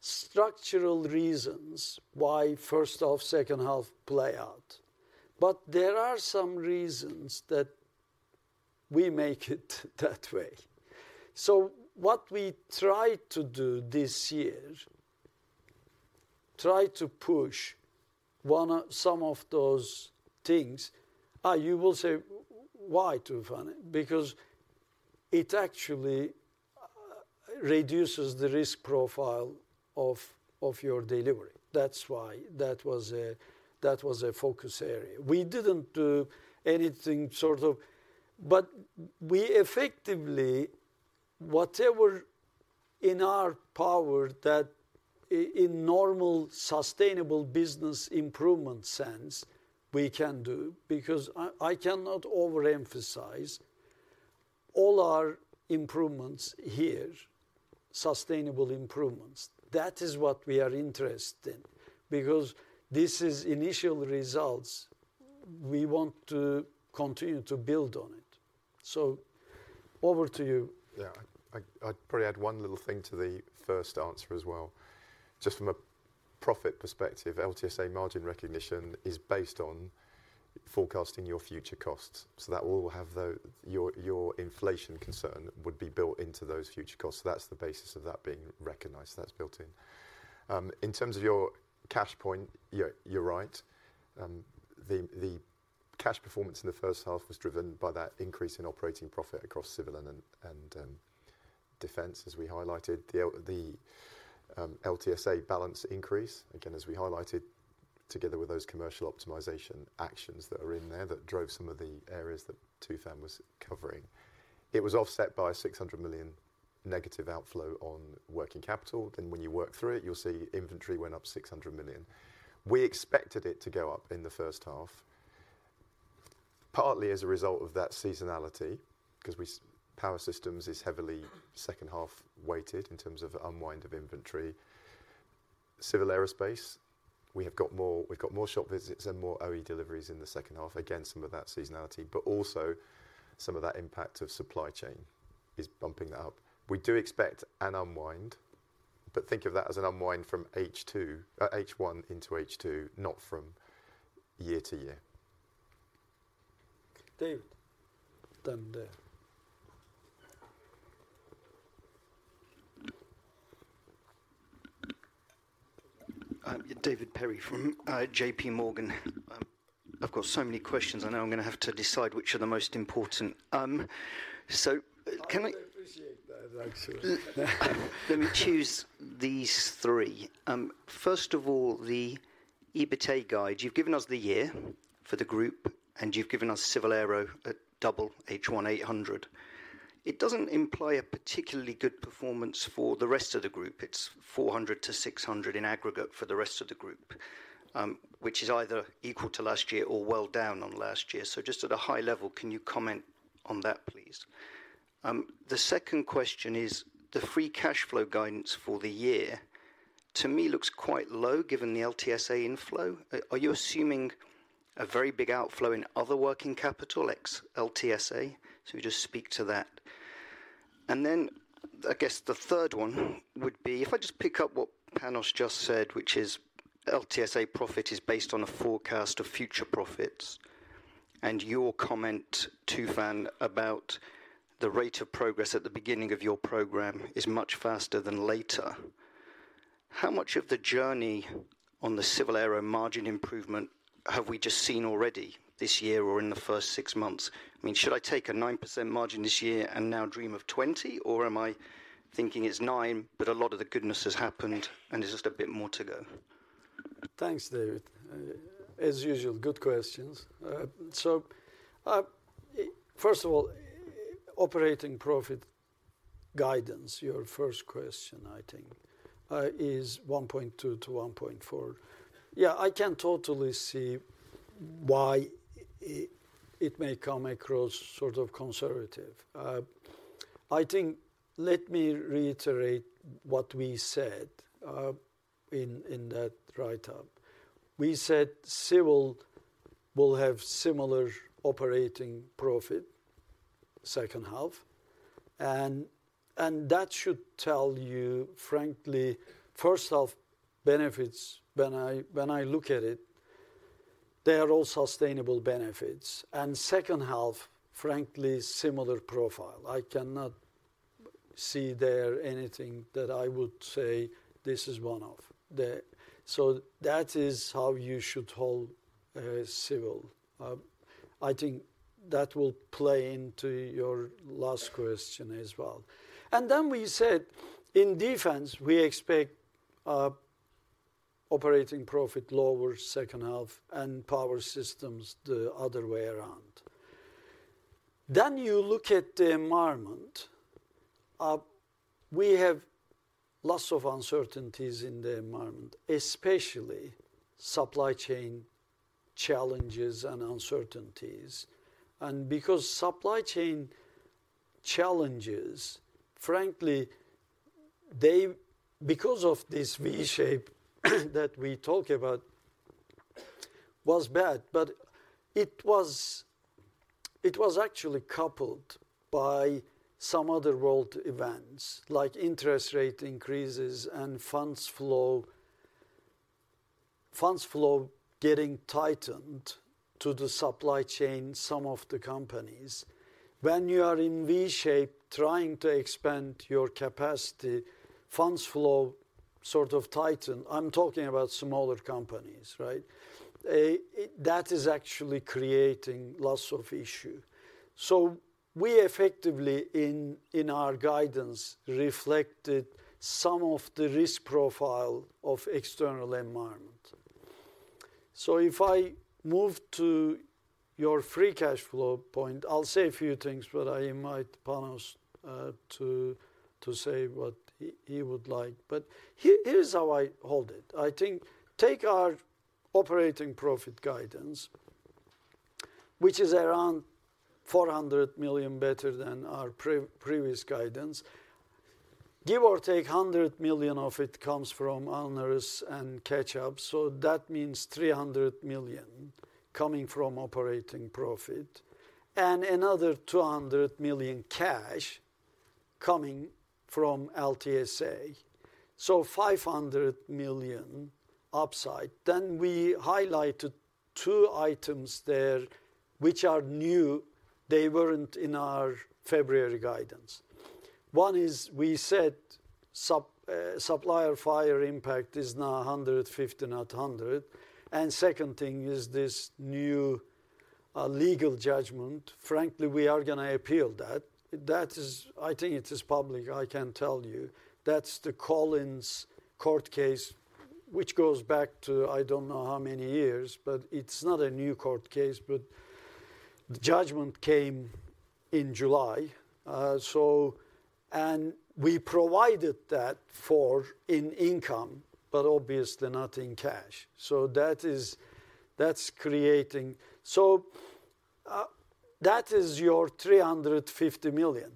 [SPEAKER 2] structural reasons why first half, second half play out. There are some reasons that we make it that way. What we tried to do this year, try to push one of some of those things, you will say, "Why Tufan?" Because it actually reduces the risk profile of your delivery. That's why that was a, that was a focus area. We didn't do anything sort of, but we effectively, whatever in our power that in normal, sustainable business improvement sense we can do, because I cannot overemphasize all our improvements here, sustainable improvements. That is what we are interested in, because this is initial results. We want to continue to build on it. Over to you.
[SPEAKER 3] Yeah. I, I'd probably add one little thing to the first answer as well. Just from a profit perspective, LTSA margin recognition is based on forecasting your future costs, so that will have the, your, your inflation concern would be built into those future costs. So that's the basis of that being recognized, that's built-in. In terms of your cash point, you're, you're right. The, the cash performance in the first half was driven by that increase in operating profit across civil and, and, and, defense, as we highlighted. The LTSA balance increase, again, as we highlighted, together with those commercial optimization actions that are in there, that drove some of the areas that Tufan was covering. It was offset by a 600 million negative outflow on working capital. When you work through it, you'll see inventory went up 600 million. We expected it to go up in the first half, partly as a result of that seasonality, 'cause we Power Systems is heavily second half weighted in terms of unwind of inventory. Civil Aerospace, we have got more, we've got more shop visits and more OE deliveries in the second half. Again, some of that seasonality, but also some of that impact of supply chain is bumping that up. We do expect an unwind, but think of that as an unwind from H2, H1 into H2, not from year to year.
[SPEAKER 2] David, down there.
[SPEAKER 6] David Perry from, J.P. Morgan. I've got so many questions, I know I'm gonna have to decide which are the most important. can I-
[SPEAKER 2] I appreciate that actually.
[SPEAKER 6] Let me choose these three. First of all, the EBITDA guide. You've given us the year for the group, and you've given us civil aero at double H1 800. It doesn't imply a particularly good performance for the rest of the group. It's 400-600 in aggregate for the rest of the group, which is either equal to last year or well down on last year. Just at a high level, can you comment on that, please? The second question is, the free cash flow guidance for the year, to me, looks quite low, given the LTSA inflow. Are you assuming a very big outflow in other working capital, ex-LTSA? Just speak to that. I guess the third one would be, if I just pick up what Panos just said, which is LTSA profit is based on a forecast of future profits, and your comment, Tufan, about the rate of progress at the beginning of your program is much faster than later. How much of the journey on the civil aero margin improvement have we just seen already this year or in the first 6 months? I mean, should I take a 9% margin this year and now dream of 20, or am I thinking it's 9, but a lot of the goodness has happened, and there's just a bit more to go?
[SPEAKER 2] Thanks, David. As usual, good questions. First of all, operating profit guidance, your first question, I think, is 1.2-1.4. Yeah, I can totally see why it may come across sort of conservative. I think, let me reiterate what we said in that write-up. We said civil will have similar operating profit, second half, and that should tell you, frankly, first half benefits, when I, when I look at it, they are all sustainable benefits. Second half, frankly, similar profile. I cannot see there anything that I would say this is one-off. That is how you should hold civil. I think that will play into your last question as well. Then we said in defense, we expect operating profit lower second half, and power systems, the other way around. Then you look at the environment, we have lots of uncertainties in the environment, especially supply chain challenges and uncertainties. Because supply chain challenges, frankly, because of this V shape that we talk about, was bad, but it was, it was actually coupled by some other world events, like interest rate increases and funds flow. Funds flow getting tightened to the supply chain, some of the companies, when you are in V shape, trying to expand your capacity, funds flow sort of tighten. I'm talking about smaller companies, right? That is actually creating lots of issue. We effectively, in, in our guidance, reflected some of the risk profile of external environment. If I move to your free cash flow point, I'll say a few things, but I invite Panos to say what he would like. Here, here is how I hold it. I think, take our operating profit guidance, which is around 400 million better than our prev- previous guidance. Give or take, 100 million of it comes from owners and catch-up, so that means 300 million coming from operating profit, and another 200 million cash coming from LTSA, so 500 million upside. We highlighted two items there, which are new. They weren't in our February guidance. One is, we said, sup, supplier fire impact is now 150, not 100, and second thing is this new legal judgment. Frankly, we are gonna appeal that. That is... I think it is public, I can tell you. That's the Collins court case, which goes back to I don't know how many years, but it's not a new court case, but the judgment came in July. We provided that for in income, but obviously not in cash. That is, that's creating... That is your 350 million.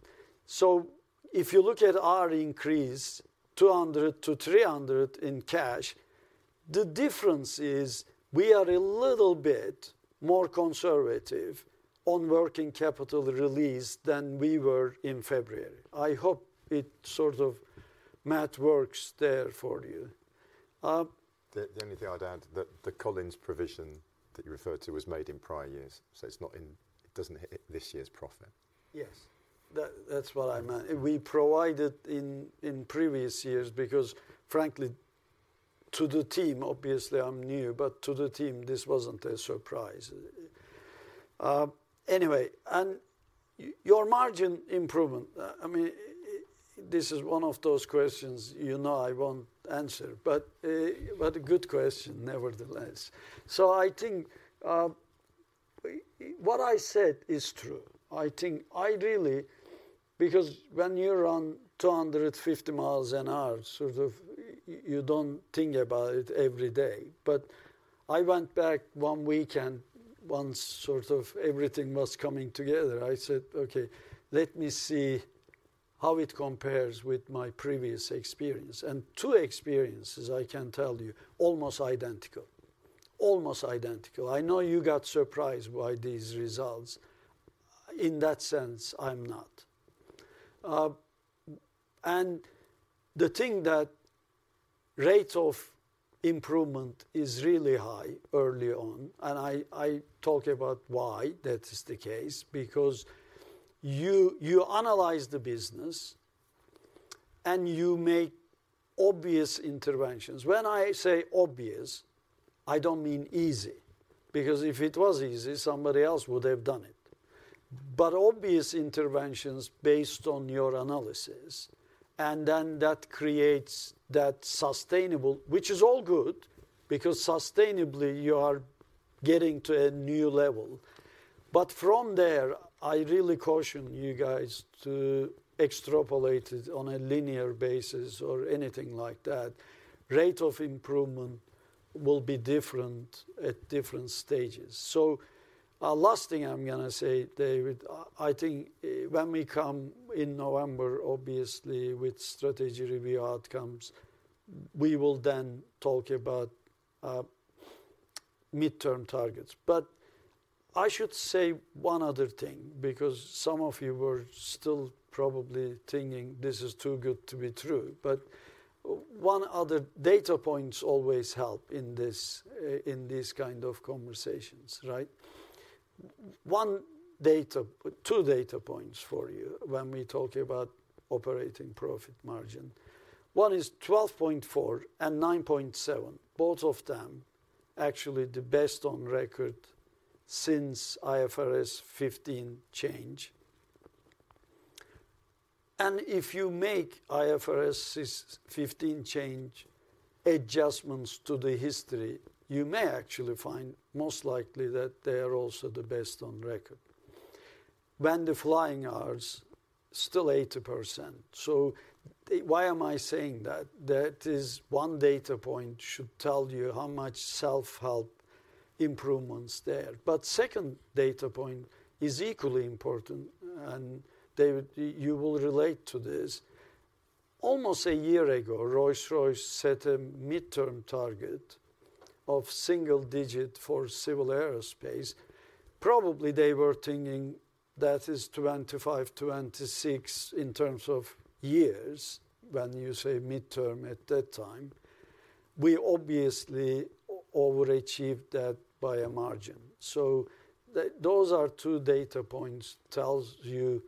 [SPEAKER 2] If you look at our increase, 200 million to 300 million in cash, the difference is we are a little bit more conservative on working capital release than we were in February. I hope it sort of math works there for you.
[SPEAKER 3] The only thing I'd add, the Collins provision that you referred to was made in prior years, so it doesn't hit this year's profit.
[SPEAKER 2] Yes. That's what I meant. We provided in, in previous years, because frankly, to the team, obviously I'm new, but to the team, this wasn't a surprise. Anyway, your margin improvement, I mean, this is one of those questions you know I won't answer, but a good question nevertheless. I think, what I said is true. I think, I really... Because when you run 250 miles an hour, sort of, you don't think about it every day. I went back one week, and once sort of everything was coming together, I said, "Okay, let me see how it compares with my previous experience." Two experiences, I can tell you, almost identical. Almost identical. I know you got surprised by these results. In that sense, I'm not. The thing that rate of improvement is really high early on, and I, I talk about why that is the case, because you, you analyze the business, and you make obvious interventions. When I say obvious, I don't mean easy, because if it was easy, somebody else would have done it. Obvious interventions based on your analysis, and then that creates that sustainable, which is all good, because sustainably, you are getting to a new level. From there, I really caution you guys to extrapolate it on a linear basis or anything like that. Rate of improvement will be different at different stages. Last thing I'm gonna say, David, I think, when we come in November, obviously with strategy review outcomes, we will then talk about midterm targets. I should say one other thing, because some of you were still probably thinking this is too good to be true, one other data points always help in this, in these kind of conversations, right? One data, two data points for you when we talk about operating profit margin. One is 12.4 and 9.7, both of them actually the best on record since IFRS 15 change. If you make IFRS 15 change adjustments to the history, you may actually find, most likely, that they are also the best on record. When the flying hours, still 80%. Why am I saying that? That is one data point should tell you how much self-help improvement's there. Second data point is equally important, and David, you will relate to this. Almost a year ago, Rolls-Royce set a midterm target of single digit for civil aerospace. Probably they were thinking that is 25, 26 in terms of years, when you say midterm at that time. We obviously overachieved that by a margin. Those are two data points, tells you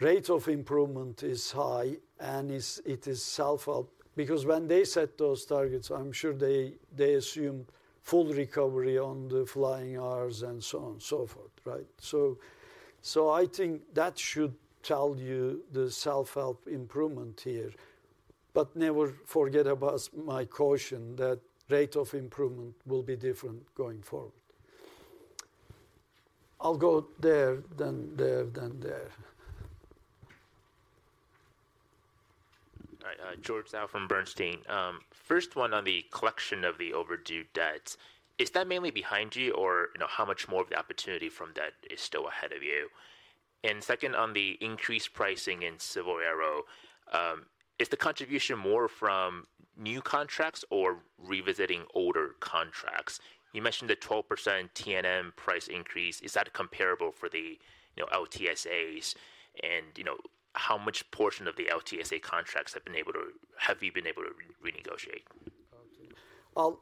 [SPEAKER 2] rate of improvement is high, and it is self-help. When they set those targets, I'm sure they, they assumed full recovery on the flying hours, and so on and so forth, right? I think that should tell you the self-help improvement here. Never forget about my caution, that rate of improvement will be different going forward. I'll go there, then there, then there.
[SPEAKER 7] All right, George Zhao from Bernstein. First one, on the collection of the overdue debts, is that mainly behind you, or, you know, how much more of the opportunity from debt is still ahead of you? Second, on the increased pricing in Civil Aero, is the contribution more from new contracts or revisiting older contracts? You mentioned the 12% TNM price increase. Is that comparable for the, you know, LTSAs? And, you know, how much portion of the LTSA contracts have been able to- have you been able to re- renegotiate?
[SPEAKER 2] I'll,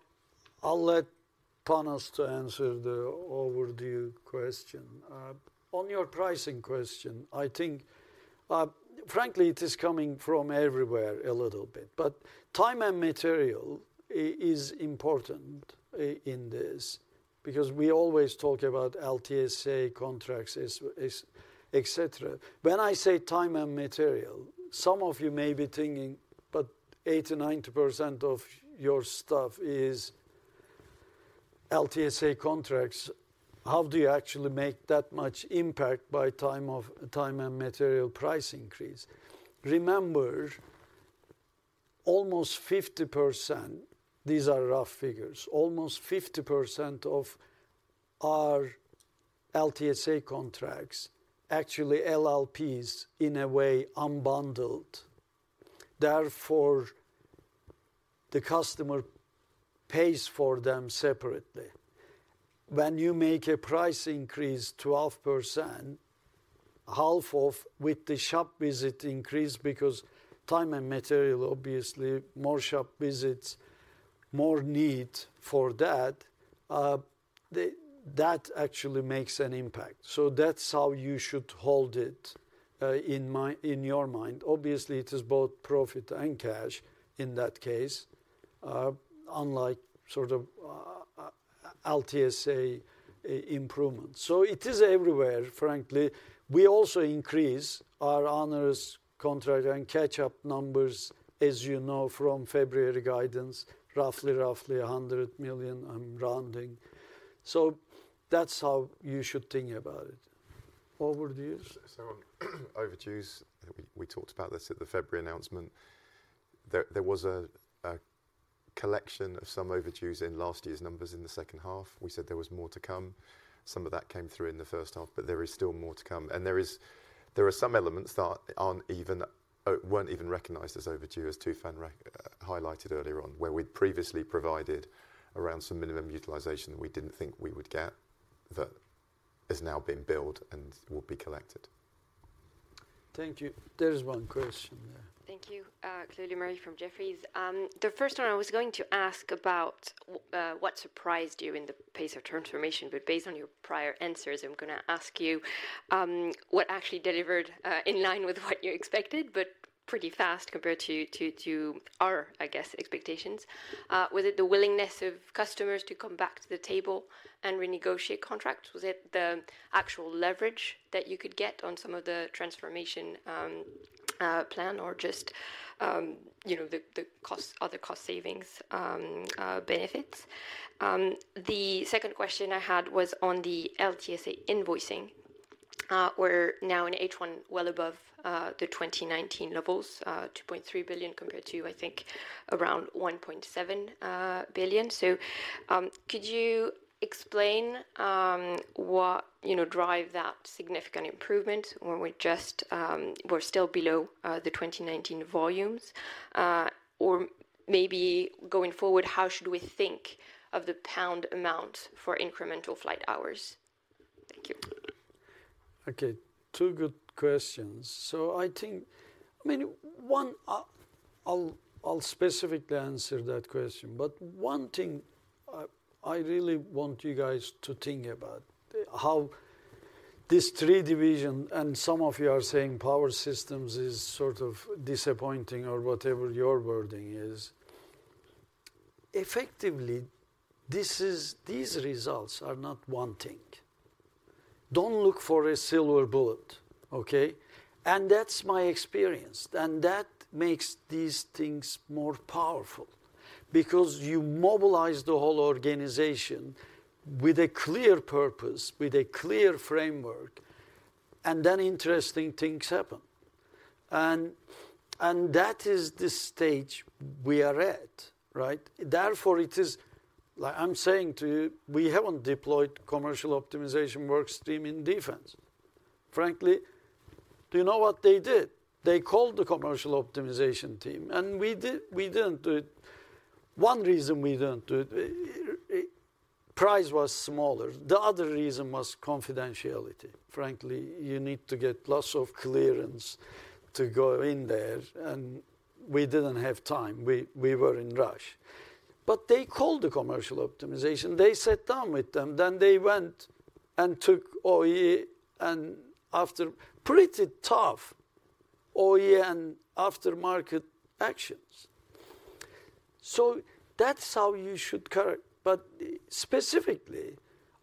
[SPEAKER 2] I'll let Panos to answer the overdue question. On your pricing question, I think, frankly, it is coming from everywhere a little bit. Time and material i- is important i- in this, because we always talk about LTSA contracts, es- es- et cetera. When I say time and material, some of you may be thinking, but 80%, 90% of your stuff is LTSA contracts. How do you actually make that much impact by time of- time and material price increase? Remember, almost 50%, these are rough figures, almost 50% of our LTSA contracts, actually LLPs, in a way, unbundled. Therefore, the customer pays for them separately. When you make a price increase 12%, half of with the shop visit increase, because time and material, obviously, more shop visits, more need for that, the- that actually makes an impact. That's how you should hold it, in my- in your mind. Obviously, it is both profit and cash in that case, unlike sort of, LTSA, improvement. It is everywhere, frankly. We also increase our honors contract and catch-up numbers, as you know, from February guidance, roughly, roughly 100 million. I'm rounding. That's how you should think about it. Overdues?
[SPEAKER 3] Overdues, we talked about this at the February announcement. There was a collection of some overdues in last year's numbers in the second half. We said there was more to come. Some of that came through in the first half, but there is still more to come. There are some elements that weren't even recognized as overdue, as Tufan highlighted earlier on, where we'd previously provided around some minimum utilization that we didn't think we would get, that is now being billed and will be collected.
[SPEAKER 2] Thank you. There is one question there.
[SPEAKER 8] Thank you. Chloe Lemarie from Jefferies. The first one, I was going to ask about what surprised you in the pace of transformation, but based on your prior answers, I'm gonna ask you what actually delivered in line with what you expected, but pretty fast compared to, to, to our, I guess, expectations. Was it the willingness of customers to come back to the table and renegotiate contracts? Was it the actual leverage that you could get on some of the transformation plan, or just, you know, the other cost savings benefits? The second question I had was on the LTSA invoicing. We're now in H1, well above the 2019 levels, 2.3 billion compared to, I think, around 1.7 billion. Could you explain what, you know, drive that significant improvement when we're just... we're still below the 2019 volumes? Maybe going forward, how should we think of the pound amount for incremental flight hours? Thank you.
[SPEAKER 2] Okay, two good questions. I think, I mean, one, I'll, I'll specifically answer that question, but one thing, I really want you guys to think about, how these three division, and some of you are saying power systems is sort of disappointing or whatever your wording is. Effectively, these results are not one thing. Don't look for a silver bullet, okay? That's my experience, and that makes these things more powerful, because you mobilize the whole organization with a clear purpose, with a clear framework, and then interesting things happen. That is the stage we are at, right? Therefore, it is... Like I'm saying to you, we haven't deployed commercial optimization workstream in defense, frankly.... Do you know what they did? They called the commercial optimization team, and we didn't do it. One reason we didn't do it, price was smaller. The other reason was confidentiality. Frankly, you need to get lots of clearance to go in there, and we didn't have time. We were in rush. They called the commercial optimization. They sat down with them, then they went and took OE, and after pretty tough OE and aftermarket actions. That's how you should correct. Specifically,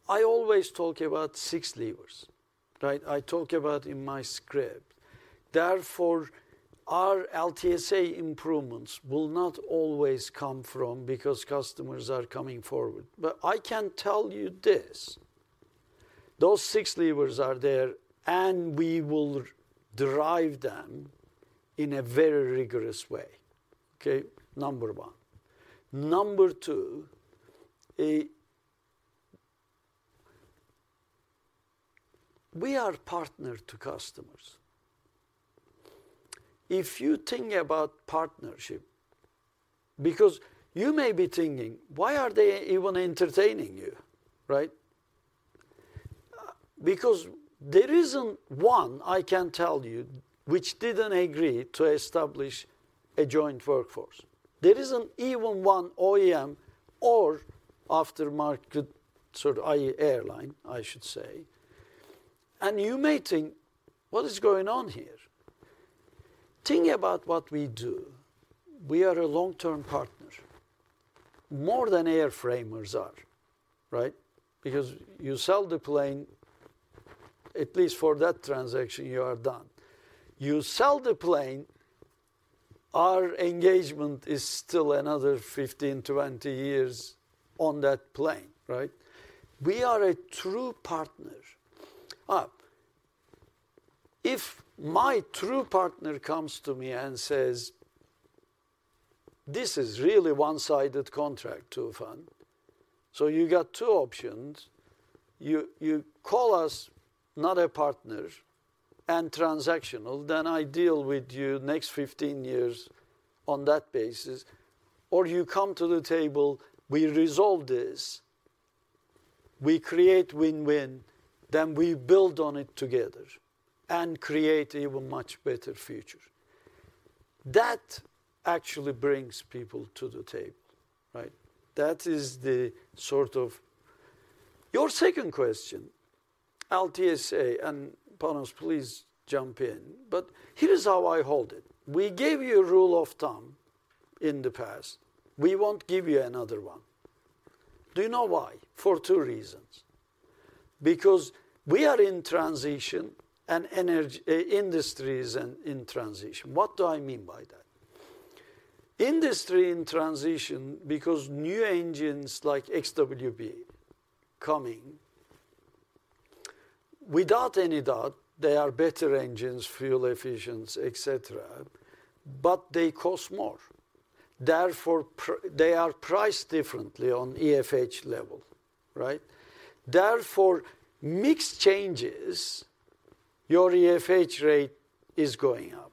[SPEAKER 2] I always talk about six levers, right? I talk about in my script. Therefore, our LTSA improvements will not always come from because customers are coming forward. I can tell you this, those six levers are there, and we will derive them in a very rigorous way, okay? Number one. Number two. We are partner to customers. If you think about partnership, because you may be thinking, "Why are they even entertaining you," right? Because there isn't one, I can tell you, which didn't agree to establish a joint workforce. There isn't even one OEM or aftermarket, sort of, IE airline, I should say. You may think, "What is going on here?" Think about what we do. We are a long-term partner, more than airframers are, right? Because you sell the plane, at least for that transaction, you are done. You sell the plane, our engagement is still another 15, 20 years on that plane, right? We are a true partner. If my true partner comes to me and says, "This is really one-sided contract to fund," you got two options: you call us not a partner and transactional, then I deal with you next 15 years on that basis, or you come to the table, we resolve this, we create win-win, then we build on it together and create even much better future. That actually brings people to the table, right? That is the sort of. Your second question, LTSA, and Panos, please jump in. Here is how I hold it. We gave you a rule of thumb in the past. We won't give you another one. Do you know why? For two reasons: because we are in transition, and energy industry is in transition. What do I mean by that? Industry in transition, because new engines like XWB coming, without any doubt, they are better engines, fuel efficiency, et cetera, but they cost more. Therefore, they are priced differently on EFH level, right? Therefore, mixed changes, your EFH rate is going up.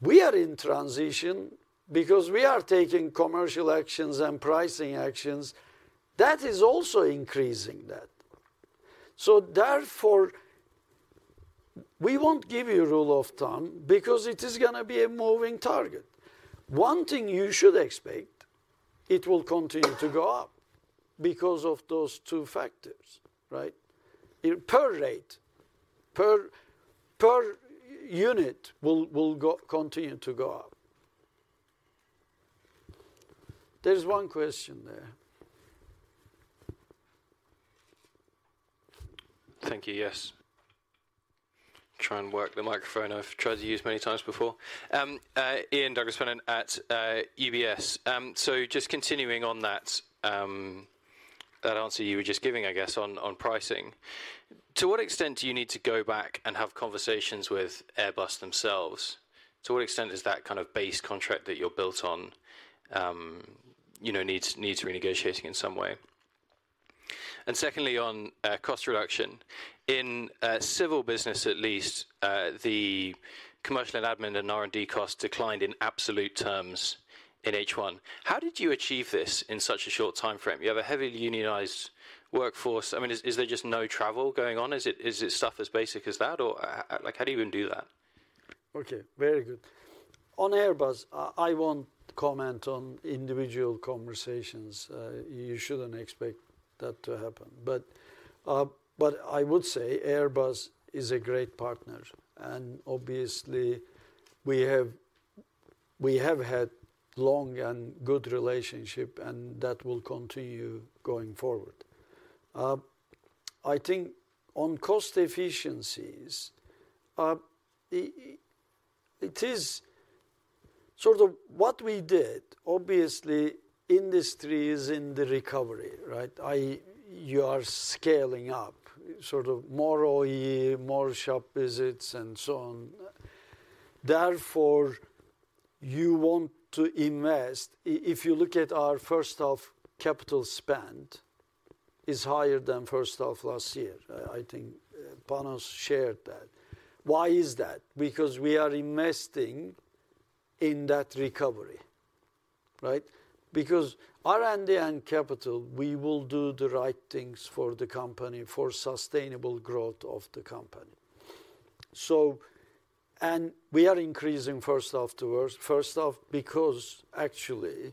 [SPEAKER 2] We are in transition because we are taking commercial actions and pricing actions. That is also increasing that. Therefore, we won't give you a rule of thumb because it is gonna be a moving target. One thing you should expect, it will continue to go up because of those two factors, right? Per rate, per unit, will continue to go up. There's one question there.
[SPEAKER 9] Thank you. Yes. Try and work the microphone I've tried to use many times before. Ian Douglas-Pennant at UBS. Just continuing on that, that answer you were just giving, I guess, on, on pricing. To what extent do you need to go back and have conversations with Airbus themselves? To what extent is that kind of base contract that you're built on, you know, needs, needs renegotiating in some way? Secondly, on cost reduction. In civil business, at least, the commercial and admin and R&D costs declined in absolute terms in H1. How did you achieve this in such a short timeframe? You have a heavily unionized workforce. I mean, is, is there just no travel going on? Is it, is it stuff as basic as that, or how, like, how do you even do that?
[SPEAKER 2] Okay, very good. On Airbus, I, I won't comment on individual conversations. You shouldn't expect that to happen. But I would say Airbus is a great partner, and obviously, we have, we have had long and good relationship, and that will continue going forward. I think on cost efficiencies, it is sort of what we did. Obviously, industry is in the recovery, right? You are scaling up, sort of more OE, more shop visits, and so on. Therefore, you want to invest. If you look at our first half capital spend, is higher than first half last year. I think Panos shared that. Why is that? Because we are investing in that recovery, right? R&D and capital, we will do the right things for the company, for sustainable growth of the company. We are increasing first afterwards, first off, because actually,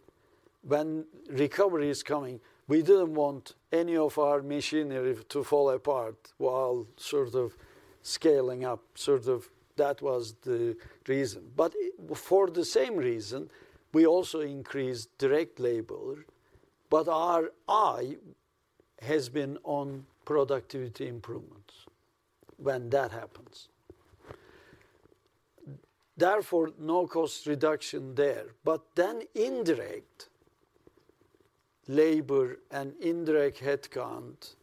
[SPEAKER 2] when recovery is coming, we didn't want any of our machinery to fall apart while sort of scaling up, sort of that was the reason. For the same reason, we also increased direct labor, but our eye has been on productivity improvements when that happens. Therefore, no cost reduction there. Indirect labor and indirect headcount,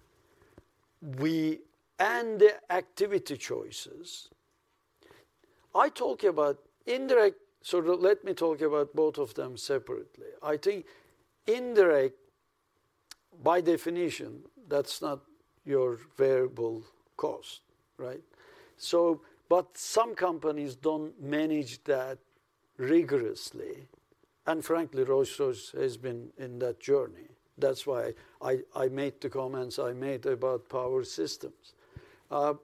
[SPEAKER 2] we and the activity choices, I talk about indirect. Let me talk about both of them separately. I think indirect, by definition, that's not your variable cost, right? Some companies don't manage that rigorously, and frankly, Rolls-Royce has been in that journey. That's why I, I made the comments I made about power systems. I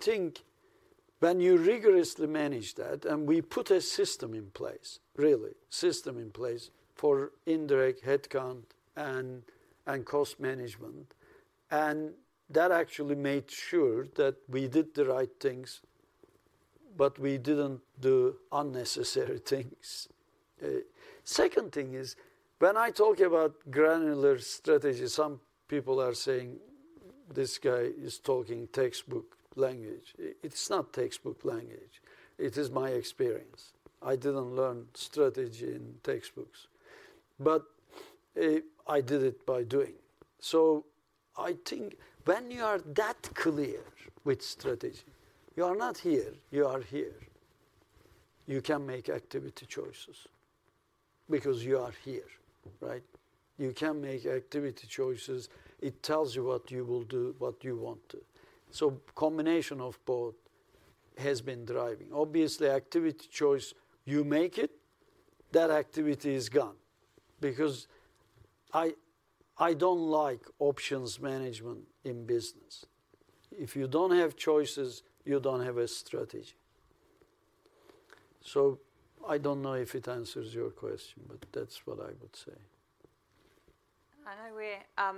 [SPEAKER 2] think when you rigorously manage that, and we put a system in place, really, system in place for indirect headcount and, and cost management, and that actually made sure that we did the right things, but we didn't do unnecessary things. Second thing is, when I talk about granular strategy, some people are saying, "This guy is talking textbook language." It's not textbook language. It is my experience. I didn't learn strategy in textbooks, but I did it by doing. I think when you are that clear with strategy, you are not here, you are here. You can make activity choices because you are here, right? You can make activity choices. It tells you what you will do, what you want to. Combination of both has been driving. Obviously, activity choice, you make it, that activity is gone. I, I don't like options management in business. If you don't have choices, you don't have a strategy. I don't know if it answers your question, but that's what I would say.
[SPEAKER 1] I know we're,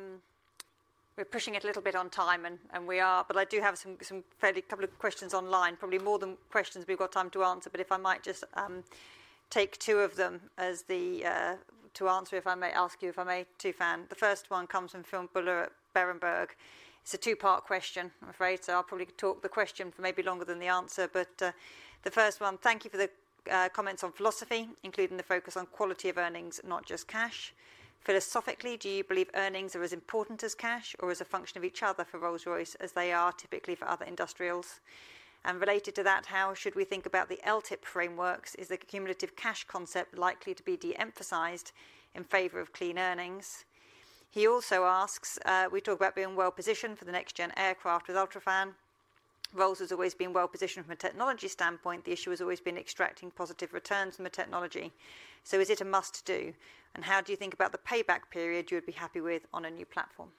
[SPEAKER 1] we're pushing it a little bit on time, and, and we are, but I do have some, some fairly couple of questions online, probably more than questions we've got time to answer, but if I might just take two of them as the to answer, if I may ask you, if I may, Tufan. The first one comes from Phil Buller at Berenberg. It's a two-part question, I'm afraid, so I'll probably talk the question for maybe longer than the answer, but the first one: Thank you for the comments on philosophy, including the focus on quality of earnings, not just cash. Philosophically, do you believe earnings are as important as cash or as a function of each other for Rolls-Royce as they are typically for other industrials? Related to that, how should we think about the LTIP frameworks? Is the cumulative cash concept likely to be de-emphasized in favor of clean earnings? He also asks, "We talk about being well-positioned for the next-gen aircraft with UltraFan. Rolls has always been well-positioned from a technology standpoint. The issue has always been extracting positive returns from the technology. Is it a must-do, and how do you think about the payback period you would be happy with on a new platform?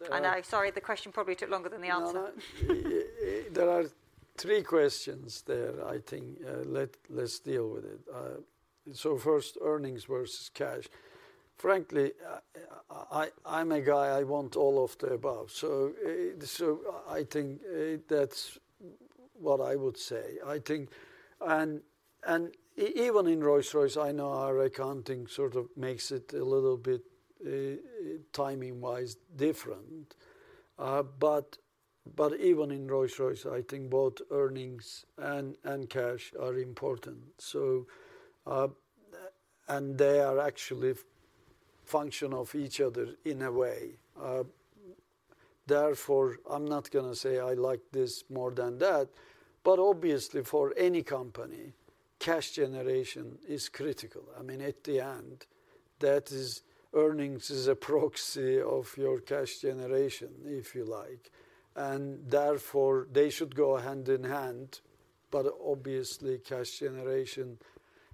[SPEAKER 2] Well.
[SPEAKER 1] I know, sorry, the question probably took longer than the answer.
[SPEAKER 2] No, no. There are three questions there, I think. Let's deal with it. First, earnings versus cash. Frankly, I'm a guy, I want all of the above. I think, that's what I would say. I think... Even in Rolls-Royce, I know our accounting sort of makes it a little bit, timing-wise different. Even in Rolls-Royce, I think both earnings and cash are important. They are actually function of each other in a way. Therefore, I'm not gonna say I like this more than that, but obviously, for any company, cash generation is critical. I mean, at the end, that is, earnings is a proxy of your cash generation, if you like, and therefore, they should go hand in hand. Obviously, cash generation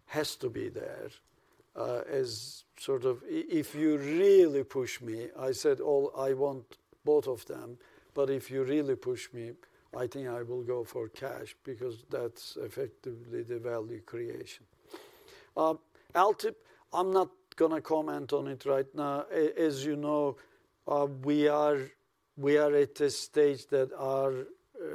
[SPEAKER 2] has to be there. As sort of if you really push me, I said all, I want both of them, but if you really push me, I think I will go for cash because that's effectively the value creation. LTIP, I'm not gonna comment on it right now. As you know, we are, we are at a stage that our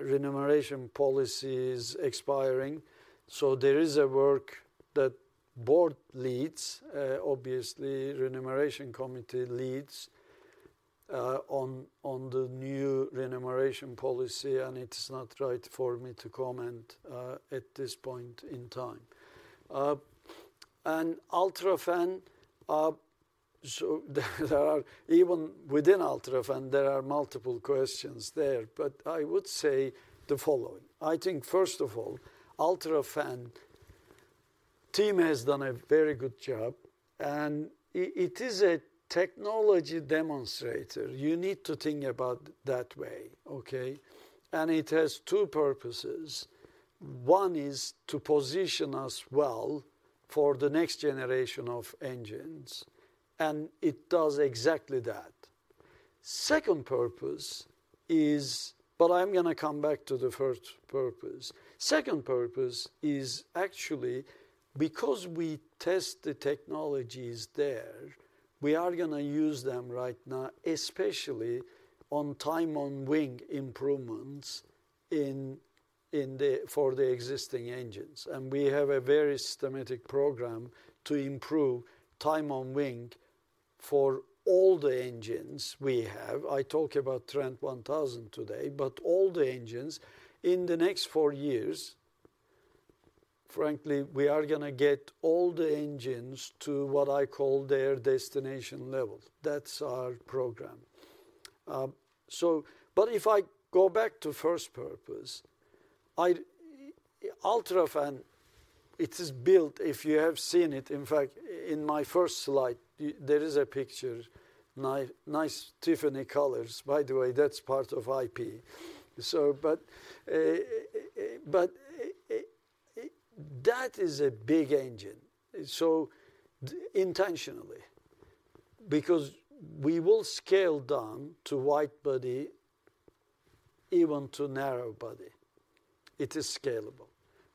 [SPEAKER 2] remuneration policy is expiring, so there is a work that board leads, obviously, Remuneration Committee leads, on, on the new remuneration policy, and it's not right for me to comment at this point in time. UltraFan, so there, there are even within UltraFan, there are multiple questions there, but I would say the following: I think, first of all, UltraFan team has done a very good job, and it is a technology demonstrator. You need to think about it that way, okay? It has two purposes. One is to position us well for the next generation of engines, and it does exactly that. Second purpose is, I'm gonna come back to the first purpose. Second purpose is actually because we test the technologies there, we are gonna use them right now, especially on time on wing improvements in, in the, for the existing engines. We have a very systematic program to improve time on wing for all the engines we have. I talked about Trent 1000 today, but all the engines in the next four years, frankly, we are gonna get all the engines to what I call their destination level. That's our program. But if I go back to first purpose, I, UltraFan, it is built, if you have seen it, in fact, in my first slide, there is a picture. Nice Tiffany colors. By the way, that's part of IP. That is a big engine. Intentionally, because we will scale down to wide body, even to narrow body. It is scalable,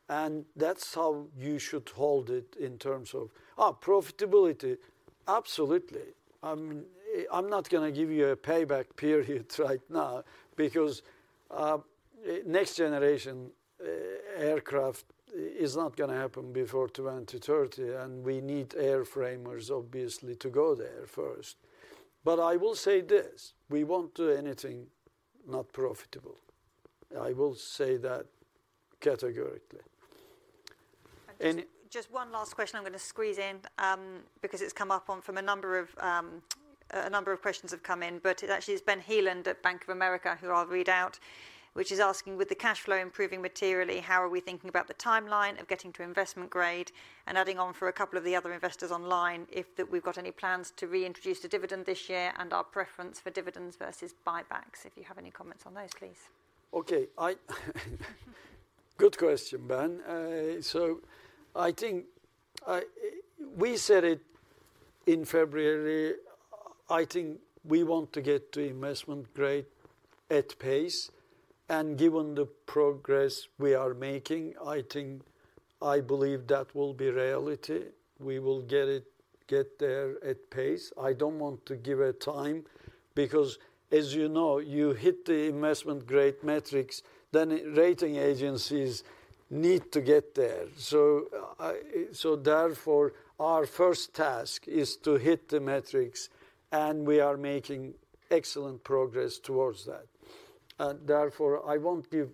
[SPEAKER 2] and that's how you should hold it in terms of profitability. Absolutely. I'm not gonna give you a payback period right now because next generation aircraft is not gonna happen before 2030, and we need airframers obviously to go there first. I will say this: we won't do anything not profitable. I will say that categorically.
[SPEAKER 1] Just one last question I'm gonna squeeze in, because it's come up on from a number of, a number of questions have come in. It actually, it's Ben Heelan at Bank of America, who I'll read out, which is asking: With the cash flow improving materially, how are we thinking about the timeline of getting to investment grade? Adding on for a couple of the other investors online, if that we've got any plans to reintroduce the dividend this year and our preference for dividends versus buybacks. If you have any comments on those, please.
[SPEAKER 2] Okay, good question, Ben. I think we said it in February, I think we want to get to investment grade at pace, and given the progress we are making, I think I believe that will be reality. We will get it, get there at pace. I don't want to give a time because, as you know, you hit the investment grade metrics, then rating agencies need to get there. Therefore, our first task is to hit the metrics, and we are making excellent progress towards that. Therefore, I won't give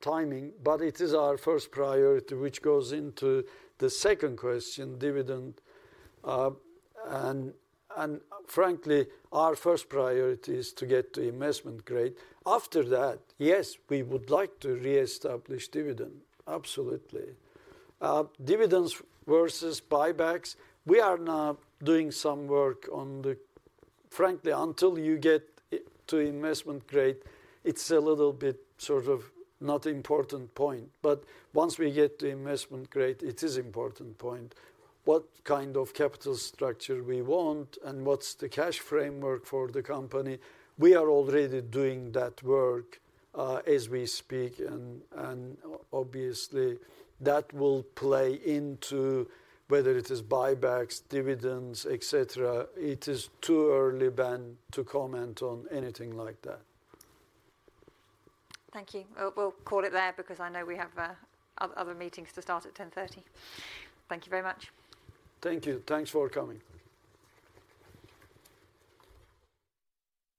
[SPEAKER 2] timing, but it is our first priority, which goes into the second question, dividend. Frankly, our first priority is to get to investment grade. After that, yes, we would like to reestablish dividend, absolutely. Dividends versus buybacks, we are now doing some work on the... Frankly, until you get to investment grade, it's a little bit, sort of, not important point. Once we get to investment grade, it is important point. What kind of capital structure we want, and what's the cash framework for the company? We are already doing that work as we speak, and obviously, that will play into whether it is buybacks, dividends, et cetera. It is too early, Ben, to comment on anything like that.
[SPEAKER 1] Thank you. We'll call it there because I know we have other meetings to start at 10:30 A.M. Thank you very much.
[SPEAKER 2] Thank you. Thanks for coming.